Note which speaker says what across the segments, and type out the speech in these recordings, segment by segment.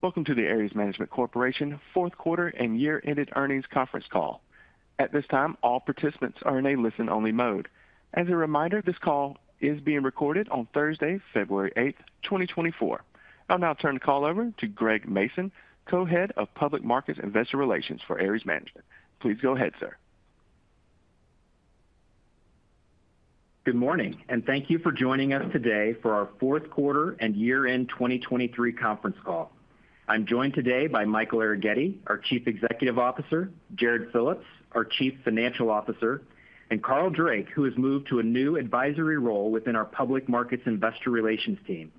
Speaker 1: Welcome to the Ares Management Corporation fourth quarter and year-ended earnings conference call. At this time, all participants are in a listen-only mode. As a reminder, this call is being recorded on Thursday, February 8, 2024. I'll now turn the call over to Greg Mason, Co-Head of Public Markets and Investor Relations for Ares Management. Please go ahead, sir.
Speaker 2: Good morning, and thank you for joining us today for our fourth quarter and year-end 2023 conference call. I'm joined today by Michael Arougheti, our Chief Executive Officer, Jarrod Phillips, our Chief Financial Officer, and Carl Drake, who has moved to a new advisory role within our Public Markets Investor Relations team.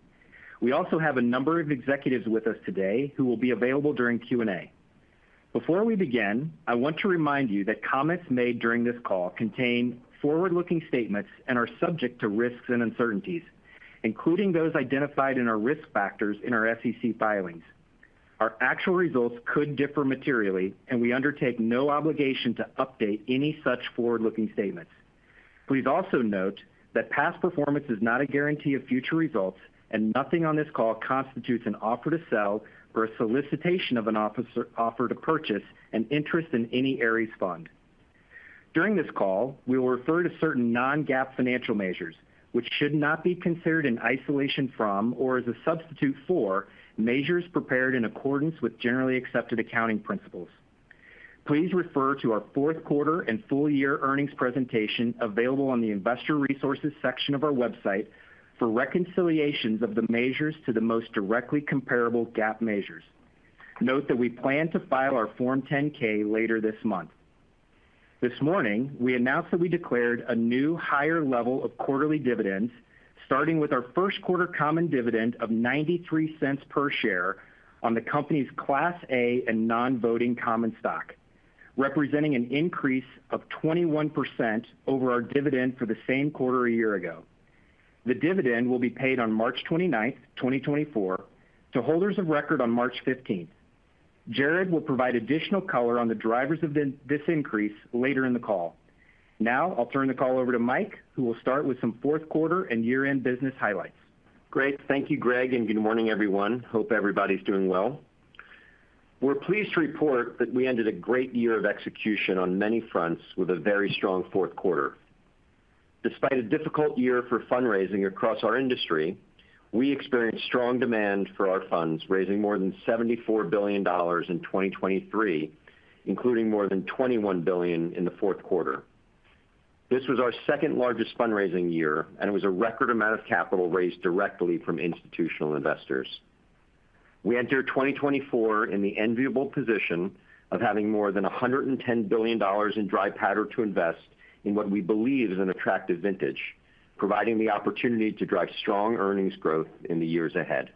Speaker 2: We also have a number of executives with us today who will be available during Q&A. Before we begin, I want to remind you that comments made during this call contain forward-looking statements and are subject to risks and uncertainties, including those identified in our risk factors in our SEC filings. Our actual results could differ materially, and we undertake no obligation to update any such forward-looking statements. Please also note that past performance is not a guarantee of future results, and nothing on this call constitutes an offer to sell or a solicitation of an offer to purchase an interest in any Ares fund. During this call, we will refer to certain non-GAAP financial measures, which should not be considered in isolation from or as a substitute for measures prepared in accordance with generally accepted accounting principles. Please refer to our fourth quarter and full year earnings presentation, available on the Investor Resources section of our website, for reconciliations of the measures to the most directly comparable GAAP measures. Note that we plan to file our Form 10-K later this month. This morning, we announced that we declared a new higher level of quarterly dividends, starting with our first quarter common dividend of $0.93 per share on the company's Class A and non-voting common stock, representing an increase of 21% over our dividend for the same quarter a year ago. The dividend will be paid on March 29, 2024, to holders of record on March 15. Jarrod will provide additional color on the drivers of this increase later in the call. Now, I'll turn the call over to Mike, who will start with some fourth quarter and year-end business highlights.
Speaker 3: Great. Thank you, Greg, and good morning, everyone. Hope everybody's doing well. We're pleased to report that we ended a great year of execution on many fronts with a very strong fourth quarter. Despite a difficult year for fundraising across our industry, we experienced strong demand for our funds, raising more than $74 billion in 2023, including more than $21 billion in the fourth quarter. This was our second largest fundraising year, and it was a record amount of capital raised directly from institutional investors. We enter 2024 in the enviable position of having more than $110 billion in dry powder to invest in what we believe is an attractive vintage, providing the opportunity to drive strong earnings growth in the years ahead.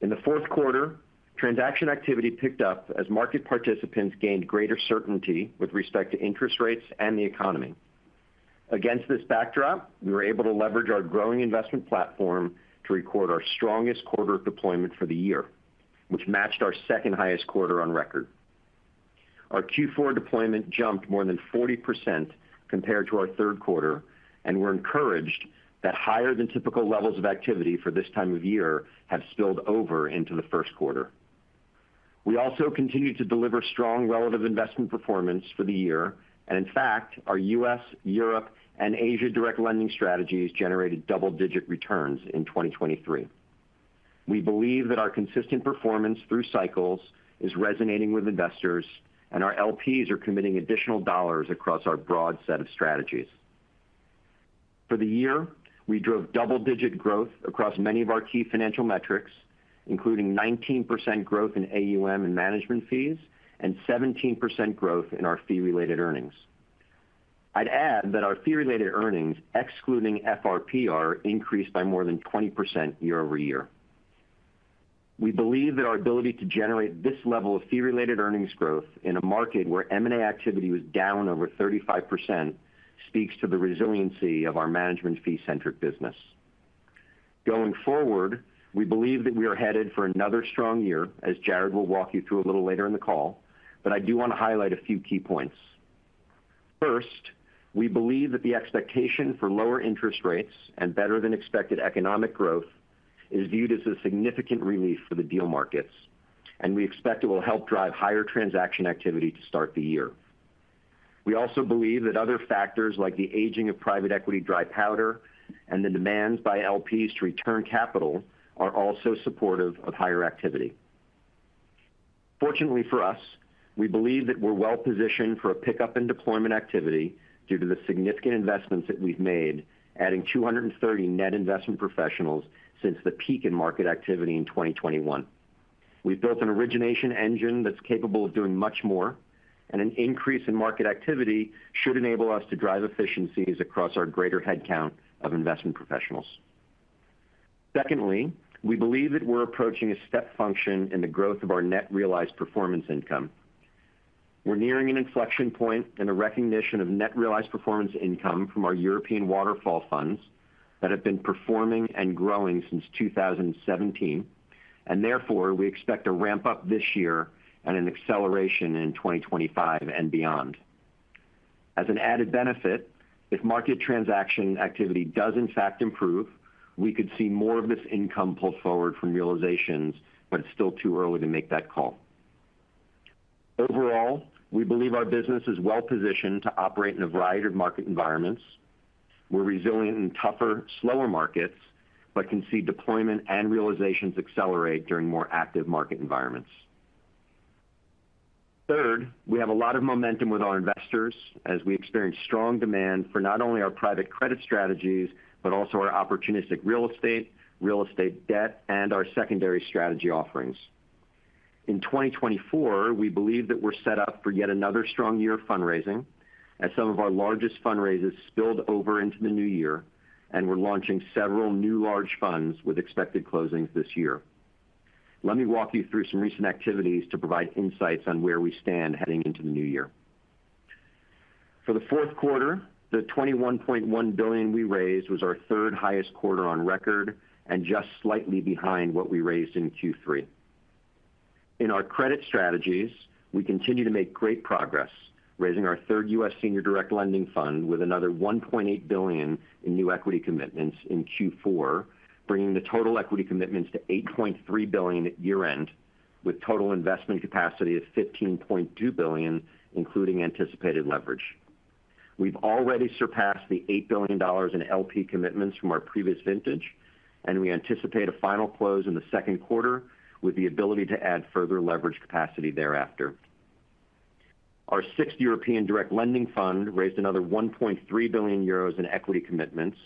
Speaker 3: In the fourth quarter, transaction activity picked up as market participants gained greater certainty with respect to interest rates and the economy. Against this backdrop, we were able to leverage our growing investment platform to record our strongest quarter of deployment for the year, which matched our second highest quarter on record. Our Q4 deployment jumped more than 40% compared to our third quarter, and we're encouraged that higher than typical levels of activity for this time of year have spilled over into the first quarter. We also continued to deliver strong relative investment performance for the year, and in fact, our U.S., Europe, and Asia direct lending strategies generated double-digit returns in 2023. We believe that our consistent performance through cycles is resonating with investors, and our LPs are committing additional dollars across our broad set of strategies. For the year, we drove double-digit growth across many of our key financial metrics, including 19% growth in AUM and management fees and 17% growth in our fee-related earnings. I'd add that our fee-related earnings, excluding FRPR, increased by more than 20% year-over-year. We believe that our ability to generate this level of fee-related earnings growth in a market where M&A activity was down over 35% speaks to the resiliency of our management fee-centric business. Going forward, we believe that we are headed for another strong year, as Jarrod will walk you through a little later in the call, but I do want to highlight a few key points. First, we believe that the expectation for lower interest rates and better-than-expected economic growth is viewed as a significant relief for the deal markets, and we expect it will help drive higher transaction activity to start the year. We also believe that other factors, like the aging of private equity dry powder and the demands by LPs to return capital, are also supportive of higher activity. Fortunately for us, we believe that we're well positioned for a pickup in deployment activity due to the significant investments that we've made, adding 230 net investment professionals since the peak in market activity in 2021. We've built an origination engine that's capable of doing much more, and an increase in market activity should enable us to drive efficiencies across our greater headcount of investment professionals. Secondly, we believe that we're approaching a step function in the growth of our net realized performance income. We're nearing an inflection point in the recognition of net realized performance income from our European waterfall funds that have been performing and growing since 2017, and therefore, we expect to ramp up this year at an acceleration in 2025 and beyond. As an added benefit, if market transaction activity does in fact improve, we could see more of this income pulled forward from realizations, but it's still too early to make that call. Overall, we believe our business is well positioned to operate in a variety of market environments. We're resilient in tougher, slower markets, but can see deployment and realizations accelerate during more active market environments. Third, we have a lot of momentum with our investors as we experience strong demand for not only our private credit strategies, but also our opportunistic real estate, real estate debt, and our secondary strategy offerings. In 2024, we believe that we're set up for yet another strong year of fundraising, as some of our largest fundraisers spilled over into the new year, and we're launching several new large funds with expected closings this year. Let me walk you through some recent activities to provide insights on where we stand heading into the new year. For the fourth quarter, the $21.1 billion we raised was our third highest quarter on record and just slightly behind what we raised in Q3. In our credit strategies, we continue to make great progress, raising our third U.S. Senior Direct Lending Fund with another $1.8 billion in new equity commitments in Q4, bringing the total equity commitments to $8.3 billion at year-end, with total investment capacity of $15.2 billion, including anticipated leverage. We've already surpassed the $8 billion in LP commitments from our previous vintage, and we anticipate a final close in the second quarter, with the ability to add further leverage capacity thereafter. Our sixth European Direct Lending Fund raised another 1.3 billion euros in equity commitments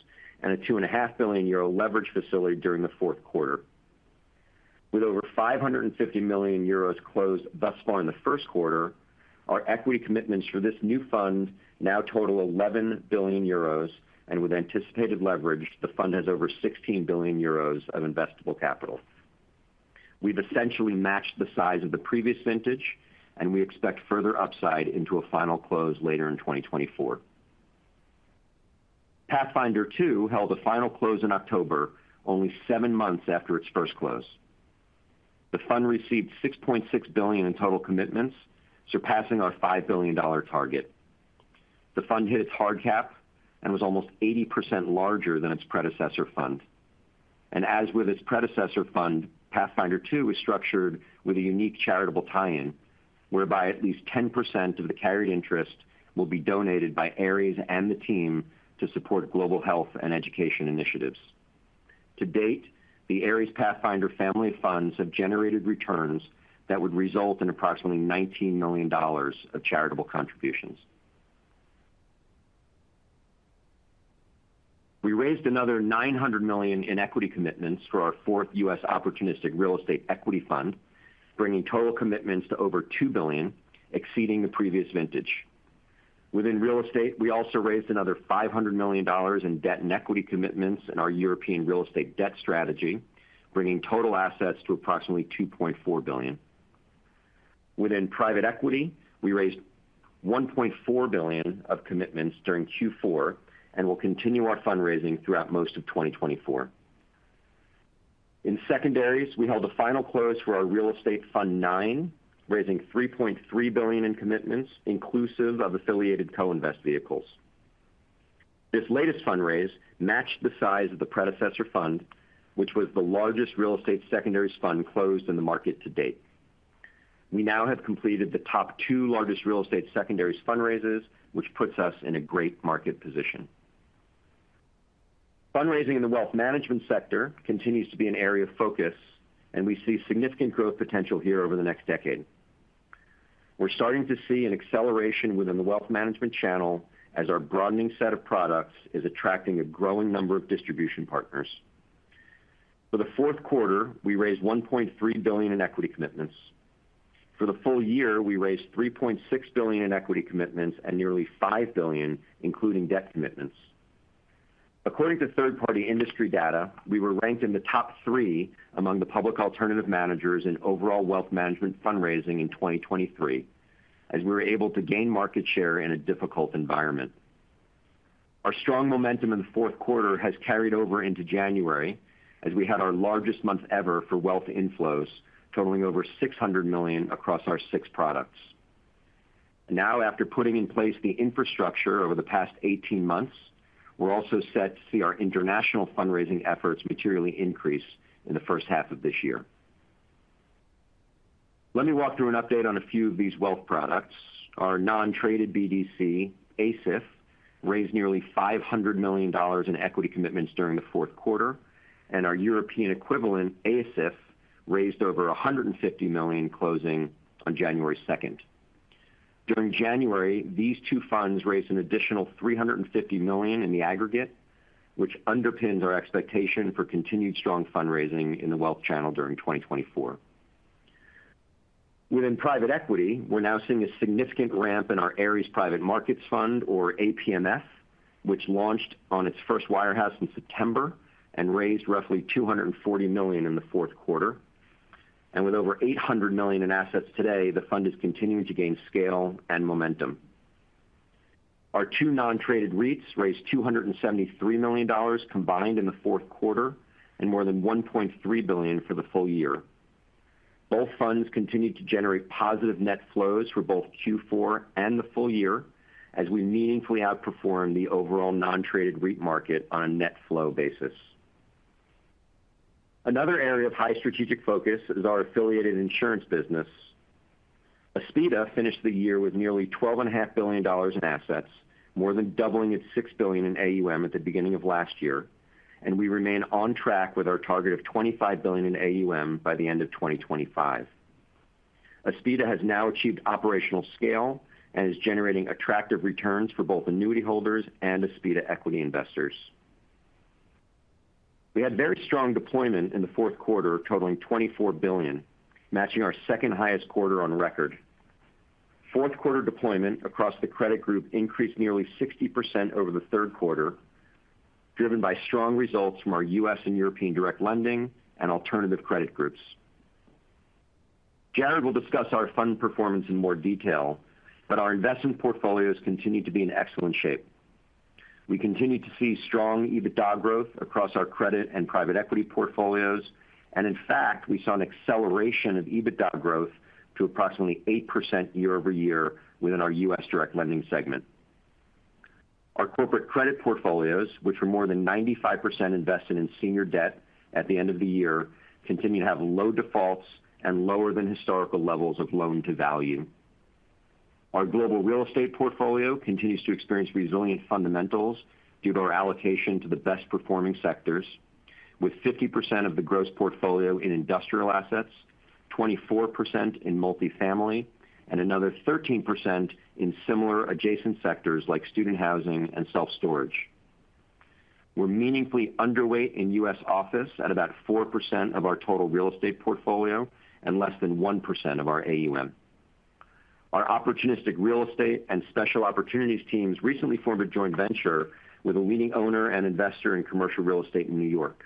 Speaker 3: and a 2.5 billion euro leverage facility during the fourth quarter. With over 550 million euros closed thus far in the first quarter, our equity commitments for this new fund now total 11 billion euros, and with anticipated leverage, the fund has over 16 billion euros of investable capital. We've essentially matched the size of the previous vintage, and we expect further upside into a final close later in 2024. Pathfinder II held a final close in October, only seven months after its first close. The fund received $6.6 billion in total commitments, surpassing our $5 billion target. The fund hit its hard cap and was almost 80% larger than its predecessor fund. As with its predecessor fund, Pathfinder II is structured with a unique charitable tie-in, whereby at least 10% of the carried interest will be donated by Ares and the team to support global health and education initiatives. To date, the Ares Pathfinder family of funds have generated returns that would result in approximately $19 million of charitable contributions. We raised another $900 million in equity commitments for our fourth U.S. Opportunistic Real Estate Equity Fund, bringing total commitments to over $2 billion, exceeding the previous vintage. Within real estate, we also raised another $500 million in debt and equity commitments in our European real estate debt strategy, bringing total assets to approximately $2.4 billion. Within private equity, we raised $1.4 billion of commitments during Q4 and will continue our fundraising throughout most of 2024. In secondaries, we held a final close for our Real Estate Fund IX, raising $3.3 billion in commitments, inclusive of affiliated co-invest vehicles. This latest fundraise matched the size of the predecessor fund, which was the largest real estate secondaries fund closed in the market to date. We now have completed the top two largest real estate secondaries fundraisers, which puts us in a great market position. Fundraising in the wealth management sector continues to be an area of focus, and we see significant growth potential here over the next decade. We're starting to see an acceleration within the wealth management channel as our broadening set of products is attracting a growing number of distribution partners. For the fourth quarter, we raised $1.3 billion in equity commitments. For the full year, we raised $3.6 billion in equity commitments and nearly $5 billion, including debt commitments. According to third-party industry data, we were ranked in the top three among the public alternative managers in overall wealth management fundraising in 2023, as we were able to gain market share in a difficult environment. Our strong momentum in the fourth quarter has carried over into January, as we had our largest month ever for wealth inflows, totaling over $600 million across our six products. Now, after putting in place the infrastructure over the past 18 months, we're also set to see our international fundraising efforts materially increase in the first half of this year. Let me walk through an update on a few of these wealth products. Our non-traded BDC, ASIF, raised nearly $500 million in equity commitments during the fourth quarter, and our European equivalent, ACE, raised over $150 million, closing on January 2. During January, these two funds raised an additional $350 million in the aggregate, which underpins our expectation for continued strong fundraising in the wealth channel during 2024. Within private equity, we're now seeing a significant ramp in our Ares Private Markets Fund, or APMF, which launched on its first wirehouse in September and raised roughly $240 million in the fourth quarter. And with over $800 million in assets today, the fund is continuing to gain scale and momentum. Our two non-traded REITs raised $273 million combined in the fourth quarter and more than $1.3 billion for the full year. Both funds continued to generate positive net flows for both Q4 and the full year, as we meaningfully outperformed the overall non-traded REIT market on a net flow basis. Another area of high strategic focus is our affiliated insurance business. Aspida finished the year with nearly $12.5 billion in assets, more than doubling its $6 billion in AUM at the beginning of last year, and we remain on track with our target of $25 billion in AUM by the end of 2025. Aspida has now achieved operational scale and is generating attractive returns for both annuity holders and Aspida equity investors. We had very strong deployment in the fourth quarter, totaling $24 billion, matching our second highest quarter on record. Fourth quarter deployment across the credit group increased nearly 60% over the third quarter, driven by strong results from our U.S. and European direct lending and alternative credit groups. Jarrod will discuss our fund performance in more detail, but our investment portfolios continue to be in excellent shape. We continue to see strong EBITDA growth across our credit and private equity portfolios, and in fact, we saw an acceleration of EBITDA growth to approximately 8% year-over-year within our U.S. direct lending segment. Our corporate credit portfolios, which were more than 95% invested in senior debt at the end of the year, continue to have low defaults and lower than historical levels of loan-to-value. Our global real estate portfolio continues to experience resilient fundamentals due to our allocation to the best performing sectors, with 50% of the gross portfolio in industrial assets, 24% in multifamily, and another 13% in similar adjacent sectors like student housing and self-storage. We're meaningfully underweight in U.S. office at about 4% of our total real estate portfolio and less than 1% of our AUM. Our opportunistic real estate and special opportunities teams recently formed a joint venture with a leading owner and investor in commercial real estate in New York.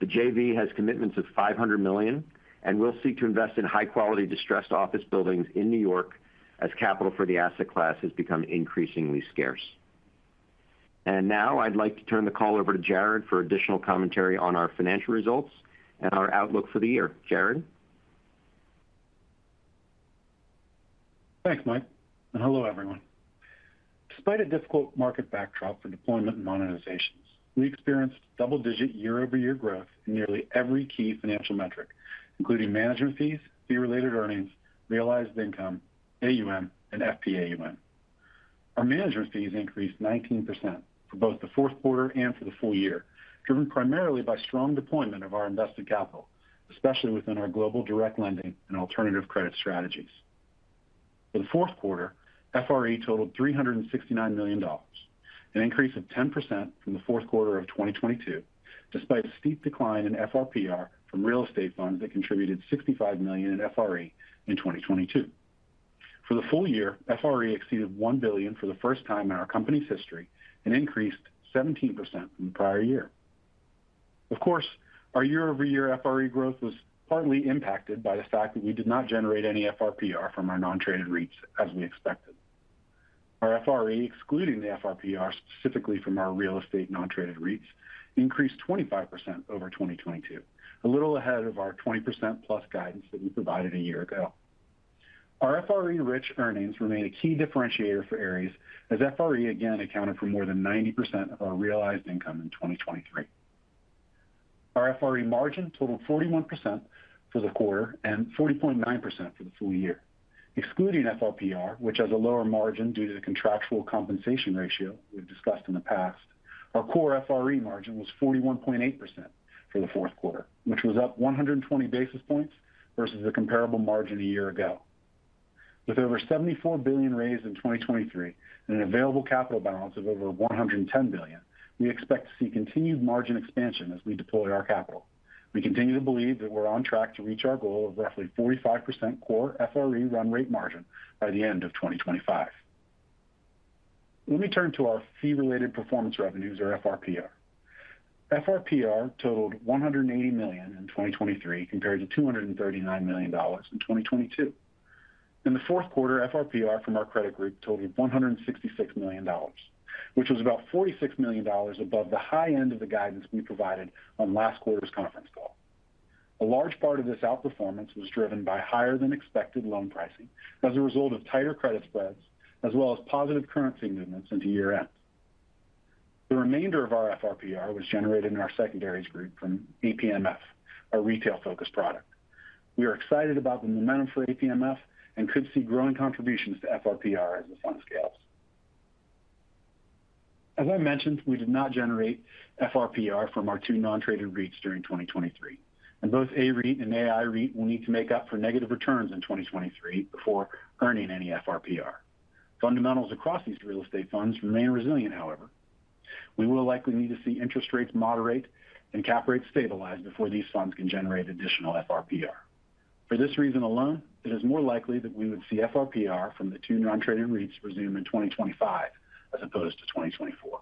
Speaker 3: The JV has commitments of $500 million and will seek to invest in high-quality, distressed office buildings in New York as capital for the asset class has become increasingly scarce. And now I'd like to turn the call over to Jarrod for additional commentary on our financial results and our outlook for the year. Jarrod?
Speaker 4: Thanks, Mike, and hello, everyone. Despite a difficult market backdrop for deployment and monetizations, we experienced double-digit year-over-year growth in nearly every key financial metric, including management fees, fee-related earnings, realized income, AUM, and FPAUM. Our management fees increased 19% for both the fourth quarter and for the full year, driven primarily by strong deployment of our invested capital, especially within our global direct lending and alternative credit strategies. For the fourth quarter, FRE totaled $369 million, an increase of 10% from the fourth quarter of 2022, despite a steep decline in FRPR from real estate funds that contributed $65 million in FRE in 2022. For the full year, FRE exceeded $1 billion for the first time in our company's history and increased 17% from the prior year. Of course, our year-over-year FRE growth was partly impacted by the fact that we did not generate any FRPR from our non-traded REITs as we expected. Our FRE, excluding the FRPR, specifically from our real estate non-traded REITs, increased 25% over 2022, a little ahead of our 20%+ guidance that we provided a year ago. Our FRE rich earnings remain a key differentiator for Ares, as FRE again accounted for more than 90% of our realized income in 2023. Our FRE margin totaled 41% for the quarter and 40.9% for the full year. Excluding FRPR, which has a lower margin due to the contractual compensation ratio we've discussed in the past, our core FRE margin was 41.8% for the fourth quarter, which was up 120 basis points versus a comparable margin a year ago. With over $74 billion raised in 2023 and an available capital balance of over $110 billion, we expect to see continued margin expansion as we deploy our capital. We continue to believe that we're on track to reach our goal of roughly 45% core FRE run rate margin by the end of 2025. Let me turn to our fee-related performance revenues or FRPR. FRPR totaled $180 million in 2023, compared to $239 million in 2022. In the fourth quarter, FRPR from our credit group totaled $166 million, which was about $46 million above the high end of the guidance we provided on last quarter's conference call. A large part of this outperformance was driven by higher than expected loan pricing as a result of tighter credit spreads, as well as positive currency movements into year-end. The remainder of our FRPR was generated in our secondaries group from APMF, our retail-focused product. We are excited about the momentum for APMF and could see growing contributions to FRPR as the fund scales. As I mentioned, we did not generate FRPR from our two non-traded REITs during 2023, and both AREIT and AIREIT will need to make up for negative returns in 2023 before earning any FRPR. Fundamentals across these real estate funds remain resilient, however. We will likely need to see interest rates moderate and cap rates stabilize before these funds can generate additional FRPR. For this reason alone, it is more likely that we would see FRPR from the two non-traded REITs resume in 2025 as opposed to 2024.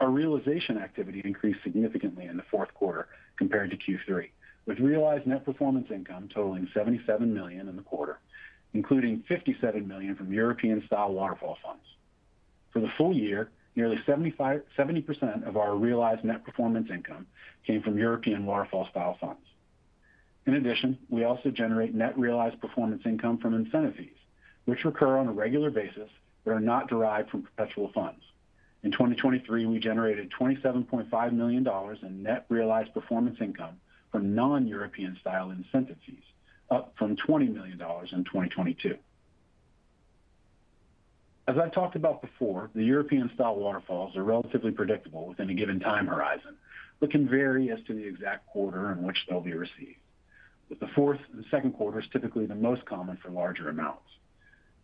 Speaker 4: Our realization activity increased significantly in the fourth quarter compared to Q3, with realized net performance income totaling $77 million in the quarter, including $57 million from European-style waterfall funds. For the full year, nearly 70% of our realized net performance income came from European waterfall style funds. In addition, we also generate net realized performance income from incentive fees, which occur on a regular basis, but are not derived from perpetual funds. In 2023, we generated $27.5 million in net realized performance income from non-European style incentive fees, up from $20 million in 2022. As I've talked about before, the European style waterfalls are relatively predictable within a given time horizon, but can vary as to the exact quarter in which they'll be received, with the fourth and the second quarter is typically the most common for larger amounts.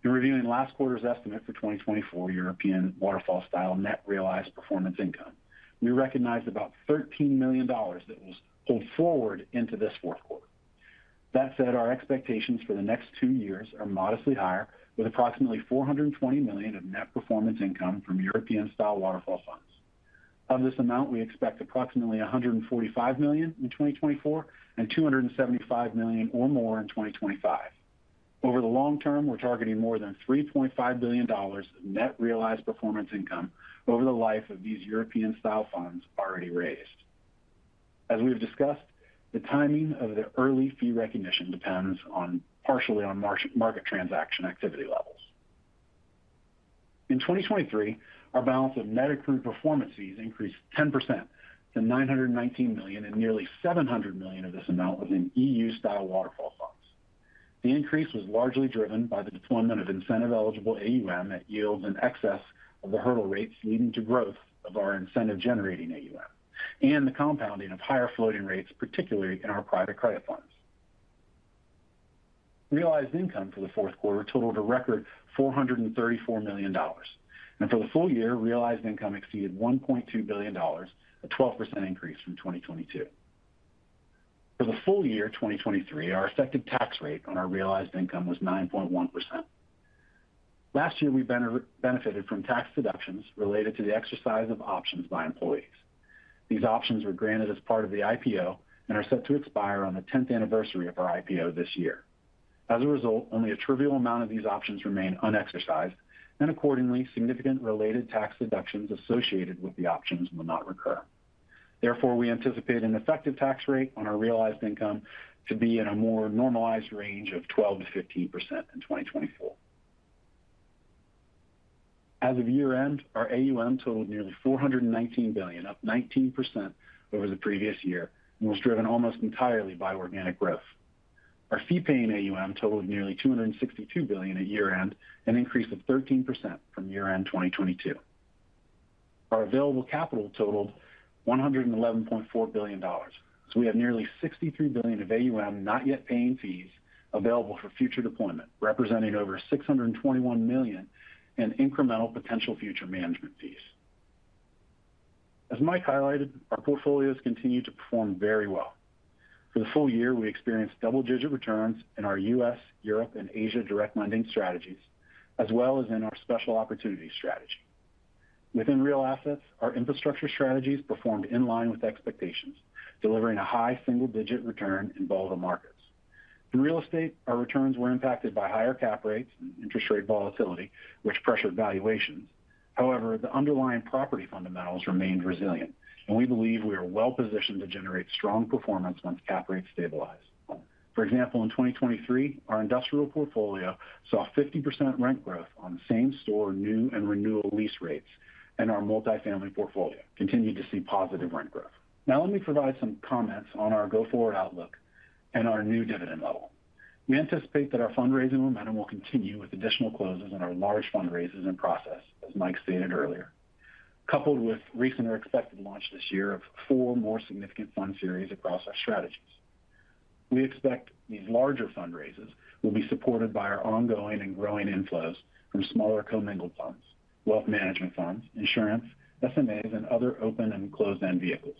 Speaker 4: In reviewing last quarter's estimate for 2024 European waterfall style net realized performance income, we recognized about $13 million that was pulled forward into this fourth quarter. That said, our expectations for the next two years are modestly higher, with approximately $420 million of net performance income from European style waterfall funds. Of this amount, we expect approximately $145 million in 2024, and $275 million or more in 2025. Over the long term, we're targeting more than $3.5 billion of net realized performance income over the life of these European style funds already raised. As we've discussed, the timing of the early fee recognition depends on, partially on market transaction activity levels. In 2023, our balance of net approved performance fees increased 10% to $919 million, and nearly $700 million of this amount was in EU style waterfall funds. The increase was largely driven by the deployment of incentive-eligible AUM that yields in excess of the hurdle rates, leading to growth of our incentive-generating AUM, and the compounding of higher floating rates, particularly in our private credit funds. Realized income for the fourth quarter totaled a record $434 million. For the full year, realized income exceeded $1.2 billion, a 12% increase from 2022. For the full year, 2023, our effective tax rate on our realized income was 9.1%. Last year, we benefited from tax deductions related to the exercise of options by employees. These options were granted as part of the IPO and are set to expire on the tenth anniversary of our IPO this year. As a result, only a trivial amount of these options remain unexercised, and accordingly, significant related tax deductions associated with the options will not recur. Therefore, we anticipate an effective tax rate on our realized income to be in a more normalized range of 12%-15% in 2024. As of year-end, our AUM totaled nearly $419 billion, up 19% over the previous year, and was driven almost entirely by organic growth. Our fee-paying AUM totaled nearly $262 billion at year-end, an increase of 13% from year-end 2022. Our available capital totaled $111.4 billion. So we have nearly $63 billion of AUM, not yet paying fees, available for future deployment, representing over $621 million in incremental potential future management fees. As Mike highlighted, our portfolios continue to perform very well. For the full year, we experienced double-digit returns in our U.S., Europe, and Asia direct lending strategies, as well as in our special opportunity strategy. Within real assets, our infrastructure strategies performed in line with expectations, delivering a high single-digit return in both the markets. In real estate, our returns were impacted by higher cap rates and interest rate volatility, which pressured valuations. However, the underlying property fundamentals remained resilient, and we believe we are well positioned to generate strong performance once cap rates stabilize. For example, in 2023, our industrial portfolio saw a 50% rent growth on same-store, new and renewal lease rates, and our multifamily portfolio continued to see positive rent growth. Now, let me provide some comments on our go-forward outlook and our new dividend level. We anticipate that our fundraising momentum will continue with additional closes on our large fundraisers in process, as Mike stated earlier, coupled with recent or expected launch this year of 4 more significant fund series across our strategies. We expect these larger fundraisers will be supported by our ongoing and growing inflows from smaller commingled funds, wealth management funds, insurance, SMAs, and other open and closed-end vehicles.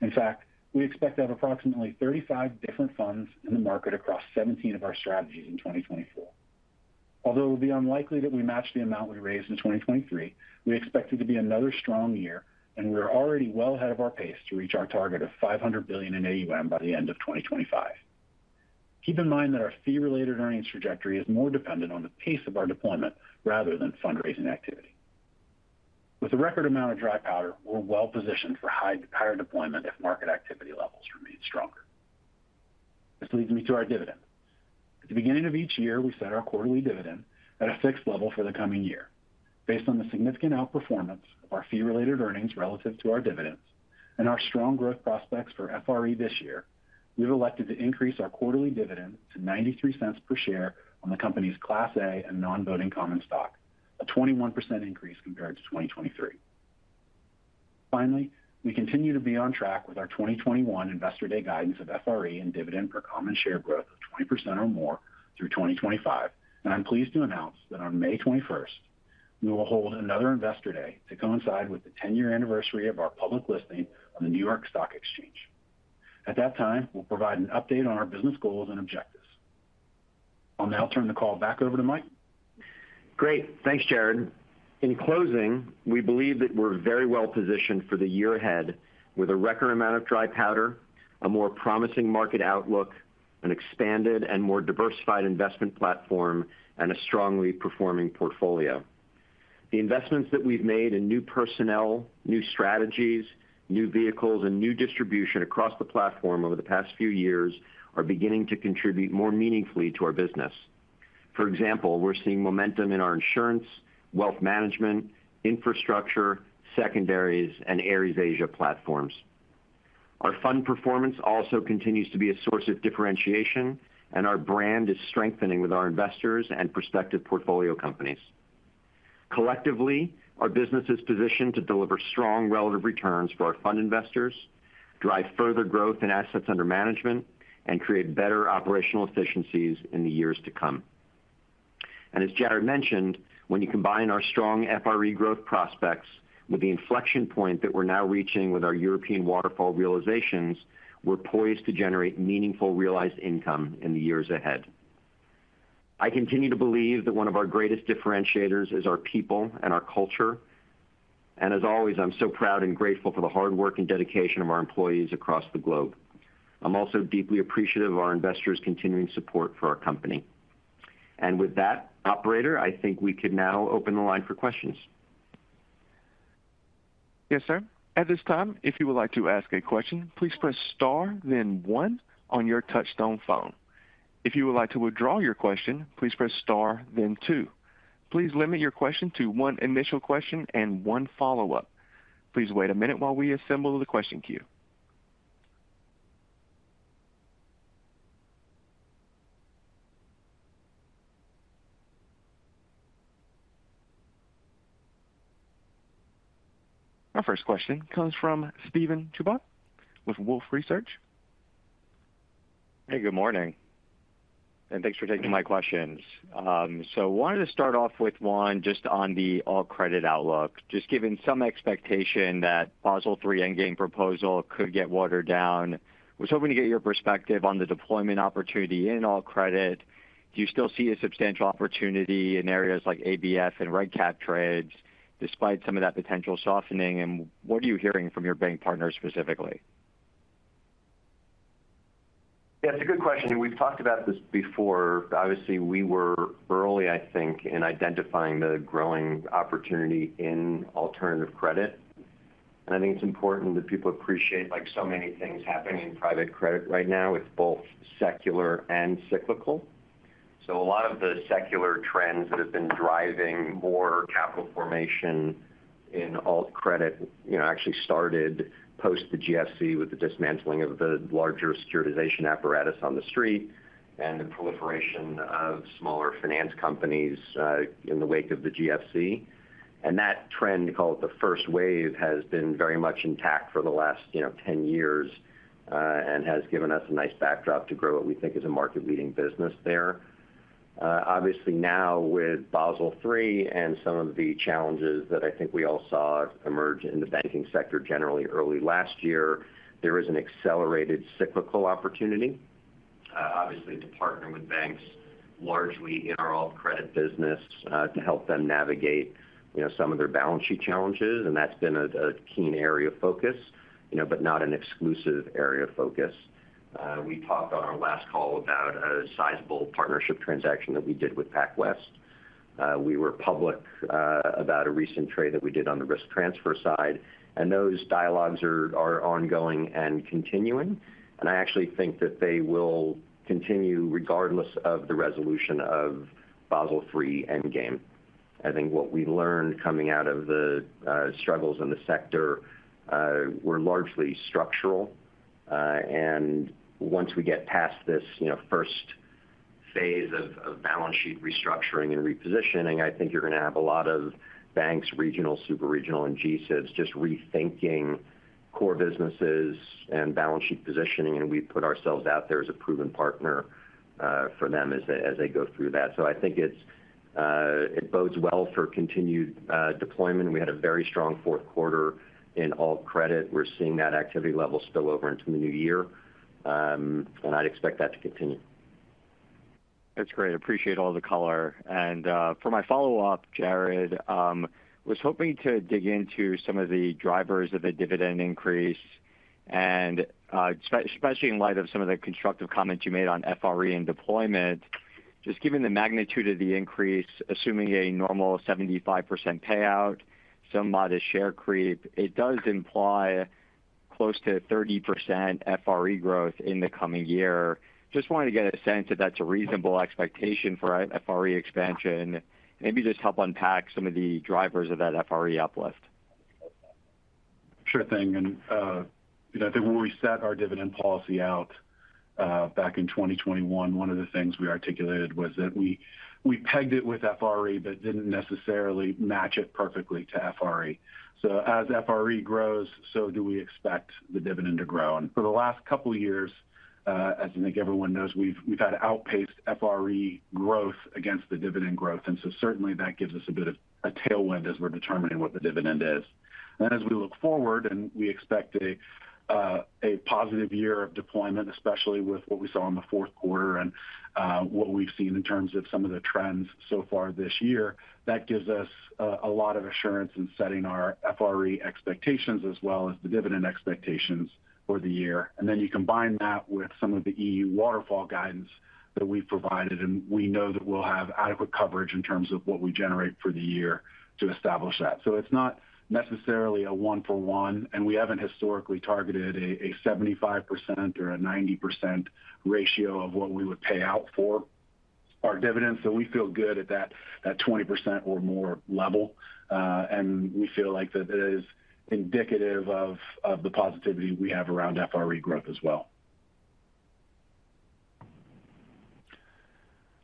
Speaker 4: In fact, we expect to have approximately 35 different funds in the market across 17 of our strategies in 2024. Although it will be unlikely that we match the amount we raised in 2023, we expect it to be another strong year, and we are already well ahead of our pace to reach our target of $500 billion in AUM by the end of 2025. Keep in mind that our fee-related earnings trajectory is more dependent on the pace of our deployment rather than fundraising activity. With a record amount of dry powder, we're well positioned for higher deployment if market activity levels remain stronger. This leads me to our dividend. At the beginning of each year, we set our quarterly dividend at a fixed level for the coming year. Based on the significant outperformance of our fee-related earnings relative to our dividends and our strong growth prospects for FRE this year, we've elected to increase our quarterly dividend to $0.93 per share on the company's Class A and non-voting common stock, a 21% increase compared to 2023. Finally, we continue to be on track with our 2021 Investor Day guidance of FRE and dividend per common share growth of 20% or more through 2025, and I'm pleased to announce that on May 21, we will hold another Investor Day to coincide with the 10-year anniversary of our public listing on the New York Stock Exchange. At that time, we'll provide an update on our business goals and objectives. I'll now turn the call back over to Mike.
Speaker 5: Great. Thanks, Jarrod. In closing, we believe that we're very well positioned for the year ahead with a record amount of dry powder, a more promising market outlook.... an expanded and more diversified investment platform, and a strongly performing portfolio. The investments that we've made in new personnel, new strategies, new vehicles, and new distribution across the platform over the past few years, are beginning to contribute more meaningfully to our business. For example, we're seeing momentum in our insurance, wealth management, infrastructure, secondaries, and Ares Asia platforms. Our fund performance also continues to be a source of differentiation, and our brand is strengthening with our investors and prospective portfolio companies. Collectively, our business is positioned to deliver strong relative returns for our fund investors, drive further growth in assets under management, and create better operational efficiencies in the years to come. As Jarrod mentioned, when you combine our strong FRE growth prospects with the inflection point that we're now reaching with our European Waterfall realizations, we're poised to generate meaningful realized income in the years ahead. I continue to believe that one of our greatest differentiators is our people and our culture, and as always, I'm so proud and grateful for the hard work and dedication of our employees across the globe. I'm also deeply appreciative of our investors' continuing support for our company. With that, operator, I think we can now open the line for questions.
Speaker 1: Yes, sir. At this time, if you would like to ask a question, please press star then one on your touchtone phone. If you would like to withdraw your question, please press star then two. Please limit your question to one initial question and one follow-up. Please wait a minute while we assemble the question queue. Our first question comes from Steven Chubak with Wolfe Research.
Speaker 6: Hey, good morning, and thanks for taking my questions. Wanted to start off with one just on the alt credit outlook. Just given some expectation that Basel III Endgame proposal could get watered down, was hoping to get your perspective on the deployment opportunity in alt credit. Do you still see a substantial opportunity in areas like ABF and Red Cap trades, despite some of that potential softening? And what are you hearing from your bank partners specifically?
Speaker 3: Yeah, it's a good question, and we've talked about this before. Obviously, we were early, I think, in identifying the growing opportunity in alternative credit. And I think it's important that people appreciate, like so many things happening in private credit right now, it's both secular and cyclical. So a lot of the secular trends that have been driving more capital formation in alt credit, you know, actually started post the GFC, with the dismantling of the larger securitization apparatus on the street, and the proliferation of smaller finance companies, in the wake of the GFC. And that trend, call it the first wave, has been very much intact for the last, you know, 10 years, and has given us a nice backdrop to grow what we think is a market-leading business there. Obviously now, with Basel III and some of the challenges that I think we all saw emerge in the banking sector, generally early last year, there is an accelerated cyclical opportunity, obviously, to partner with banks largely in our alt credit business, to help them navigate, you know, some of their balance sheet challenges, and that's been a key area of focus, you know, but not an exclusive area of focus. We talked on our last call about a sizable partnership transaction that we did with PacWest. We were public about a recent trade that we did on the risk transfer side, and those dialogues are ongoing and continuing. And I actually think that they will continue regardless of the resolution of Basel III Endgame. I think what we learned coming out of the struggles in the sector were largely structural. And once we get past this, you know, first phase of balance sheet restructuring and repositioning, I think you're going to have a lot of banks, regional, super regional, and G-SIBs, just rethinking core businesses and balance sheet positioning. And we've put ourselves out there as a proven partner for them as they go through that. So I think it's it bodes well for continued deployment. We had a very strong fourth quarter in alt credit. We're seeing that activity level spill over into the new year, and I'd expect that to continue.
Speaker 6: That's great. Appreciate all the color. For my follow-up, Jarrod, was hoping to dig into some of the drivers of the dividend increase, and, especially in light of some of the constructive comments you made on FRE and deployment. Just given the magnitude of the increase, assuming a normal 75% payout, some modest share creep, it does imply close to 30% FRE growth in the coming year. Just wanted to get a sense if that's a reasonable expectation for FRE expansion. Maybe just help unpack some of the drivers of that FRE uplift.
Speaker 4: Sure thing. And, you know, I think when we set our dividend policy out, back in 2021, one of the things we articulated was that we, we pegged it with FRE, but didn't necessarily match it perfectly to FRE. So as FRE grows, so do we expect the dividend to grow. And for the last couple of years, as I think everyone knows, we've, we've had outpaced FRE growth against the dividend growth, and so certainly, that gives us a bit of a tailwind as we're determining what the dividend is. Then as we look forward, and we expect a, a positive year of deployment, especially with what we saw in the fourth quarter-... and, what we've seen in terms of some of the trends so far this year, that gives us, a lot of assurance in setting our FRE expectations, as well as the dividend expectations for the year. And then you combine that with some of the European waterfall guidance that we've provided, and we know that we'll have adequate coverage in terms of what we generate for the year to establish that. So it's not necessarily a one for one, and we haven't historically targeted a, a 75% or a 90% ratio of what we would pay out for our dividends. So we feel good at that, that 20% or more level, and we feel like that is indicative of, of the positivity we have around FRE growth as well.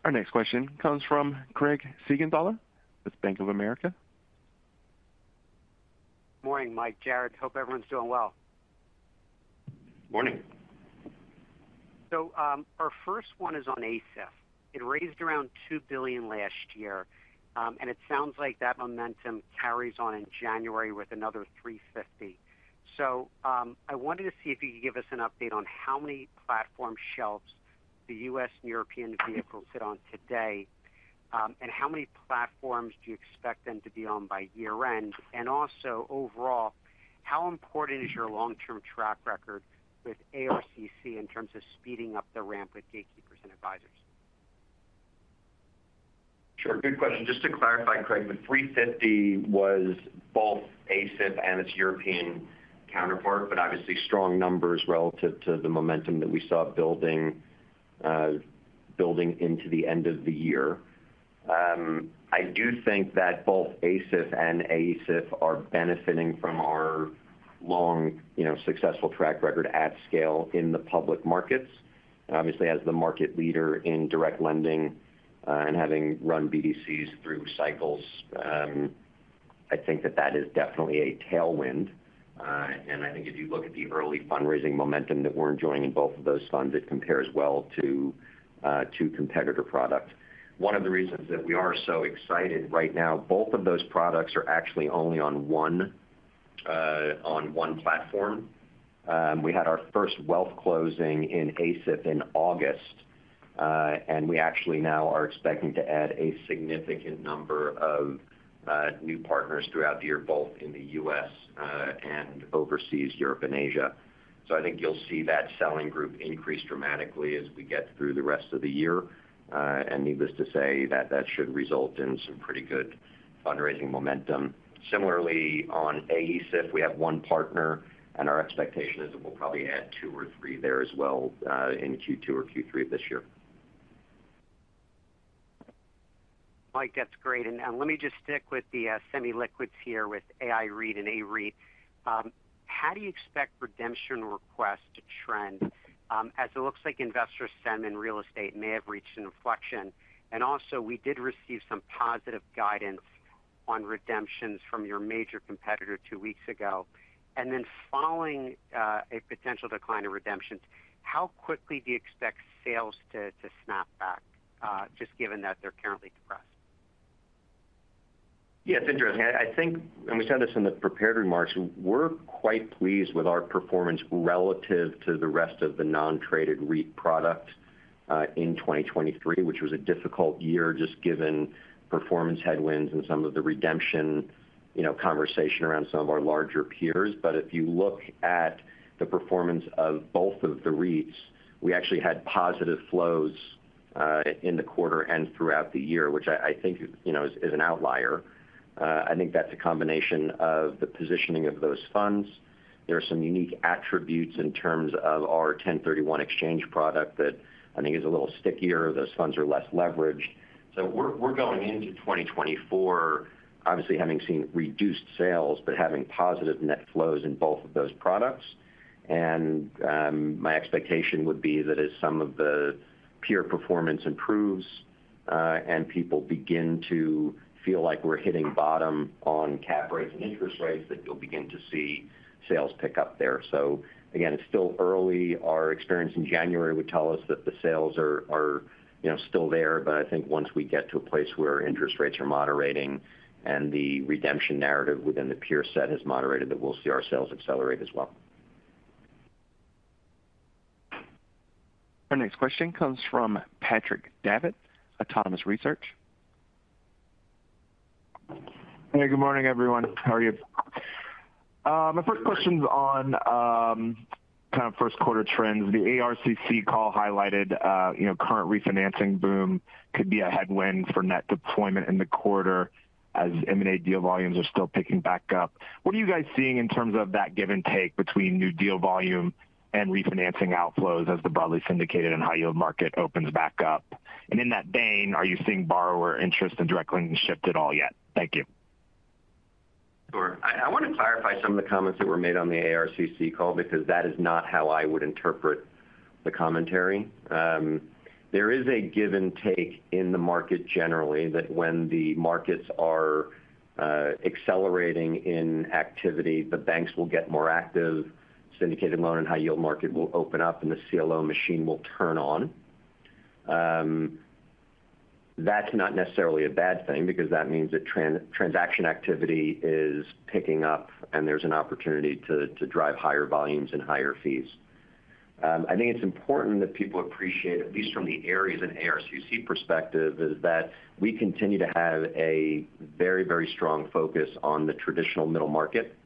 Speaker 1: Our next question comes from Craig Siegenthaler with Bank of America.
Speaker 7: Morning, Mike, Jarrod. Hope everyone's doing well.
Speaker 3: Morning.
Speaker 7: So, our first one is on ACEF. It raised around $2 billion last year, and it sounds like that momentum carries on in January with another $350 million. So, I wanted to see if you could give us an update on how many platform shelves the US and European vehicles sit on today, and how many platforms do you expect them to be on by year-end? And also, overall, how important is your long-term track record with ARCC in terms of speeding up the ramp with gatekeepers and advisors?
Speaker 3: Sure. Good question. Just to clarify, Craig, the $350 was both ASIF and its European counterpart, but obviously strong numbers relative to the momentum that we saw building, building into the end of the year. I do think that both ACE and ASIF are benefiting from our long, you know, successful track record at scale in the public markets. Obviously, as the market leader in direct lending, and having run BDCs through cycles, I think that that is definitely a tailwind. And I think if you look at the early fundraising momentum that we're enjoying in both of those funds, it compares well to competitor products. One of the reasons that we are so excited right now, both of those products are actually only on one, on one platform. We had our first wealth closing in ACE in August, and we actually now are expecting to add a significant number of new partners throughout the year, both in the U.S., and overseas, Europe and Asia. So I think you'll see that selling group increase dramatically as we get through the rest of the year. And needless to say, that that should result in some pretty good fundraising momentum. Similarly, on ACE, we have one partner, and our expectation is that we'll probably add two or three there as well, in Q2 or Q3 of this year.
Speaker 7: Mike, that's great. And let me just stick with the semi-liquids here with AIREIT and AREIT. How do you expect redemption requests to trend as it looks like investor sentiment in real estate may have reached an inflection, and also we did receive some positive guidance on redemptions from your major competitor two weeks ago. And then following a potential decline in redemptions, how quickly do you expect sales to snap back just given that they're currently depressed?
Speaker 3: Yeah, it's interesting. I, I think, and we said this in the prepared remarks, we're quite pleased with our performance relative to the rest of the non-traded REIT product in 2023, which was a difficult year, just given performance headwinds and some of the redemption, you know, conversation around some of our larger peers. But if you look at the performance of both of the REITs, we actually had positive flows in the quarter and throughout the year, which I, I think, you know, is an outlier. I think that's a combination of the positioning of those funds. There are some unique attributes in terms of our 1031 exchange product that I think is a little stickier. Those funds are less leveraged. So we're, we're going into 2024, obviously, having seen reduced sales, but having positive net flows in both of those products. My expectation would be that as some of the peer performance improves, and people begin to feel like we're hitting bottom on cap rates and interest rates, that you'll begin to see sales pick up there. So again, it's still early. Our experience in January would tell us that the sales are, you know, still there, but I think once we get to a place where interest rates are moderating and the redemption narrative within the peer set has moderated, that we'll see our sales accelerate as well.
Speaker 1: Our next question comes from Patrick Davitt, Autonomous Research.
Speaker 8: Hey, good morning, everyone. How are you? My first question is on kind of first quarter trends. The ARCC call highlighted, you know, current refinancing boom could be a headwind for net deployment in the quarter as M&A deal volumes are still picking back up. What are you guys seeing in terms of that give and take between new deal volume and refinancing outflows as the broadly syndicated and high-yield market opens back up? And in that vein, are you seeing borrower interest in direct lending shift at all yet? Thank you.
Speaker 3: Sure. I want to clarify some of the comments that were made on the ARCC call, because that is not how I would interpret the commentary. There is a give and take in the market generally, that when the markets are accelerating in activity, the banks will get more active, syndicated loan and high-yield market will open up, and the CLO machine will turn on. That's not necessarily a bad thing, because that means that transaction activity is picking up, and there's an opportunity to drive higher volumes and higher fees. I think it's important that people appreciate, at least from the Ares and ARCC perspective, is that we continue to have a very, very strong focus on the traditional middle market.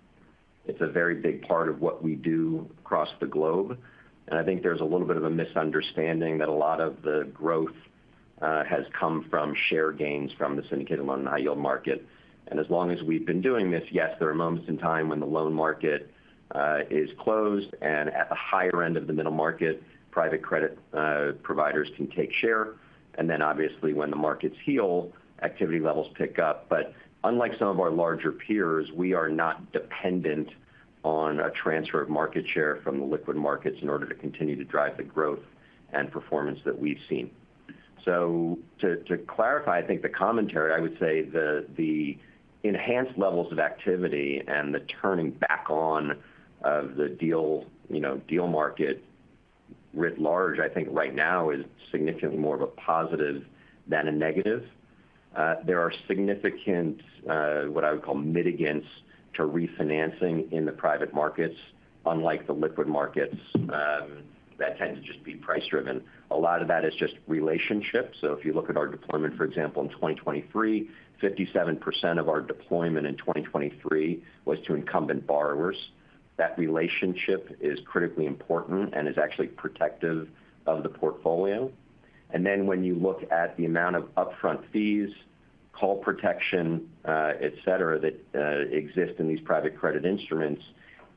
Speaker 3: It's a very big part of what we do across the globe, and I think there's a little bit of a misunderstanding that a lot of the growth has come from share gains from the syndicated loan and high yield market. And as long as we've been doing this, yes, there are moments in time when the loan market is closed, and at the higher end of the middle market, private credit providers can take share. And then obviously, when the markets heal, activity levels pick up. But unlike some of our larger peers, we are not dependent on a transfer of market share from the liquid markets in order to continue to drive the growth and performance that we've seen. So, to clarify, I think the commentary, I would say the, the enhanced levels of activity and the turning back on of the deal, you know, deal market, writ large, I think right now is significantly more of a positive than a negative. There are significant, what I would call mitigants to refinancing in the private markets, unlike the liquid markets, that tend to just be price-driven. A lot of that is just relationships. So if you look at our deployment, for example, in 2023, 57% of our deployment in 2023 was to incumbent borrowers. That relationship is critically important and is actually protective of the portfolio. And then when you look at the amount of upfront fees, call protection, et cetera, that exist in these private credit instruments,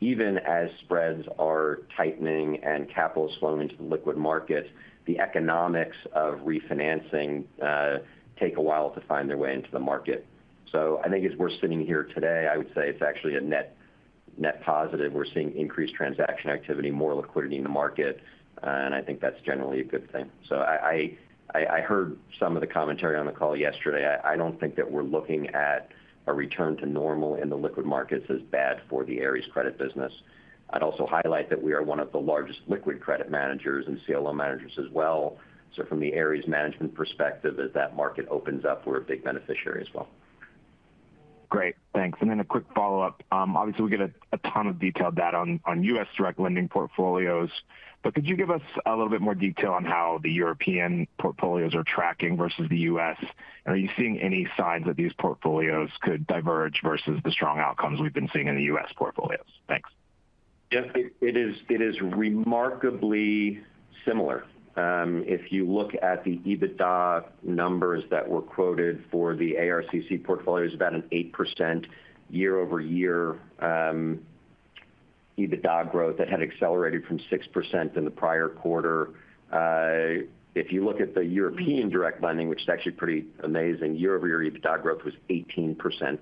Speaker 3: even as spreads are tightening and capital is flowing into the liquid market, the economics of refinancing take a while to find their way into the market. So I think as we're sitting here today, I would say it's actually a net, net positive. We're seeing increased transaction activity, more liquidity in the market, and I think that's generally a good thing. So I heard some of the commentary on the call yesterday. I don't think that we're looking at a return to normal in the liquid markets as bad for the Ares credit business. I'd also highlight that we are one of the largest liquid credit managers and CLO managers as well. So from the Ares Management perspective, as that market opens up, we're a big beneficiary as well.
Speaker 8: Great, thanks. And then a quick follow-up. Obviously, we get a ton of detailed data on U.S. direct lending portfolios, but could you give us a little bit more detail on how the European portfolios are tracking versus the U.S.? And are you seeing any signs that these portfolios could diverge versus the strong outcomes we've been seeing in the U.S. portfolios? Thanks.
Speaker 3: Yes, it is remarkably similar. If you look at the EBITDA numbers that were quoted for the ARCC portfolio, it's about an 8% year-over-year EBITDA growth that had accelerated from 6% in the prior quarter. If you look at the European direct lending, which is actually pretty amazing, year-over-year EBITDA growth was 18%.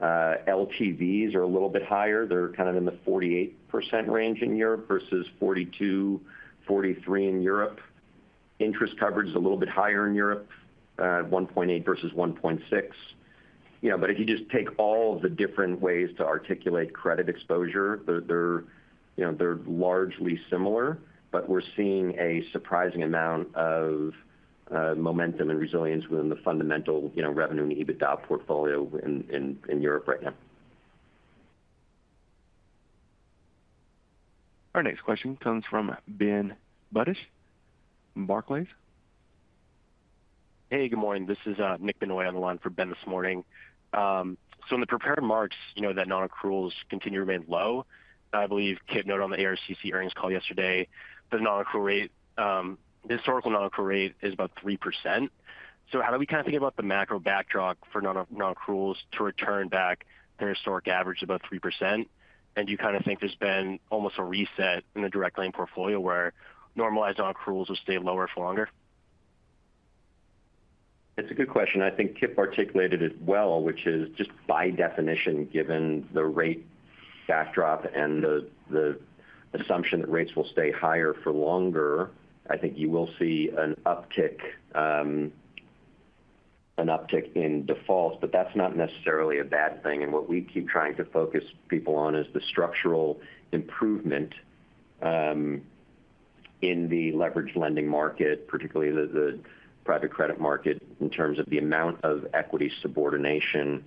Speaker 3: LTVs are a little bit higher. They're kind of in the 48% range in Europe versus 42-43 in Europe. Interest coverage is a little bit higher in Europe, at 1.8 versus 1.6. You know, but if you just take all of the different ways to articulate credit exposure, they're, you know, they're largely similar, but we're seeing a surprising amount of momentum and resilience within the fundamental, you know, revenue and EBITDA portfolio in Europe right now.
Speaker 1: Our next question comes from Ben Buddish, from Barclays.
Speaker 9: Hey, good morning. This is Nick Benoit on the line for Ben this morning. So in the prepared remarks, you know, that non-accruals continue to remain low. I believe Kipp noted on the ARCC earnings call yesterday, the non-accrual rate, the historical non-accrual rate is about 3%. So how do we kind of think about the macro backdrop for non-accruals to return back to the historic average of about 3%? And do you kind of think there's been almost a reset in the direct lending portfolio where normalized non-accruals will stay lower for longer?
Speaker 3: It's a good question. I think Kipp articulated it well, which is just by definition, given the rate backdrop and the assumption that rates will stay higher for longer, I think you will see an uptick in defaults, but that's not necessarily a bad thing. And what we keep trying to focus people on is the structural improvement in the leveraged lending market, particularly the private credit market, in terms of the amount of equity subordination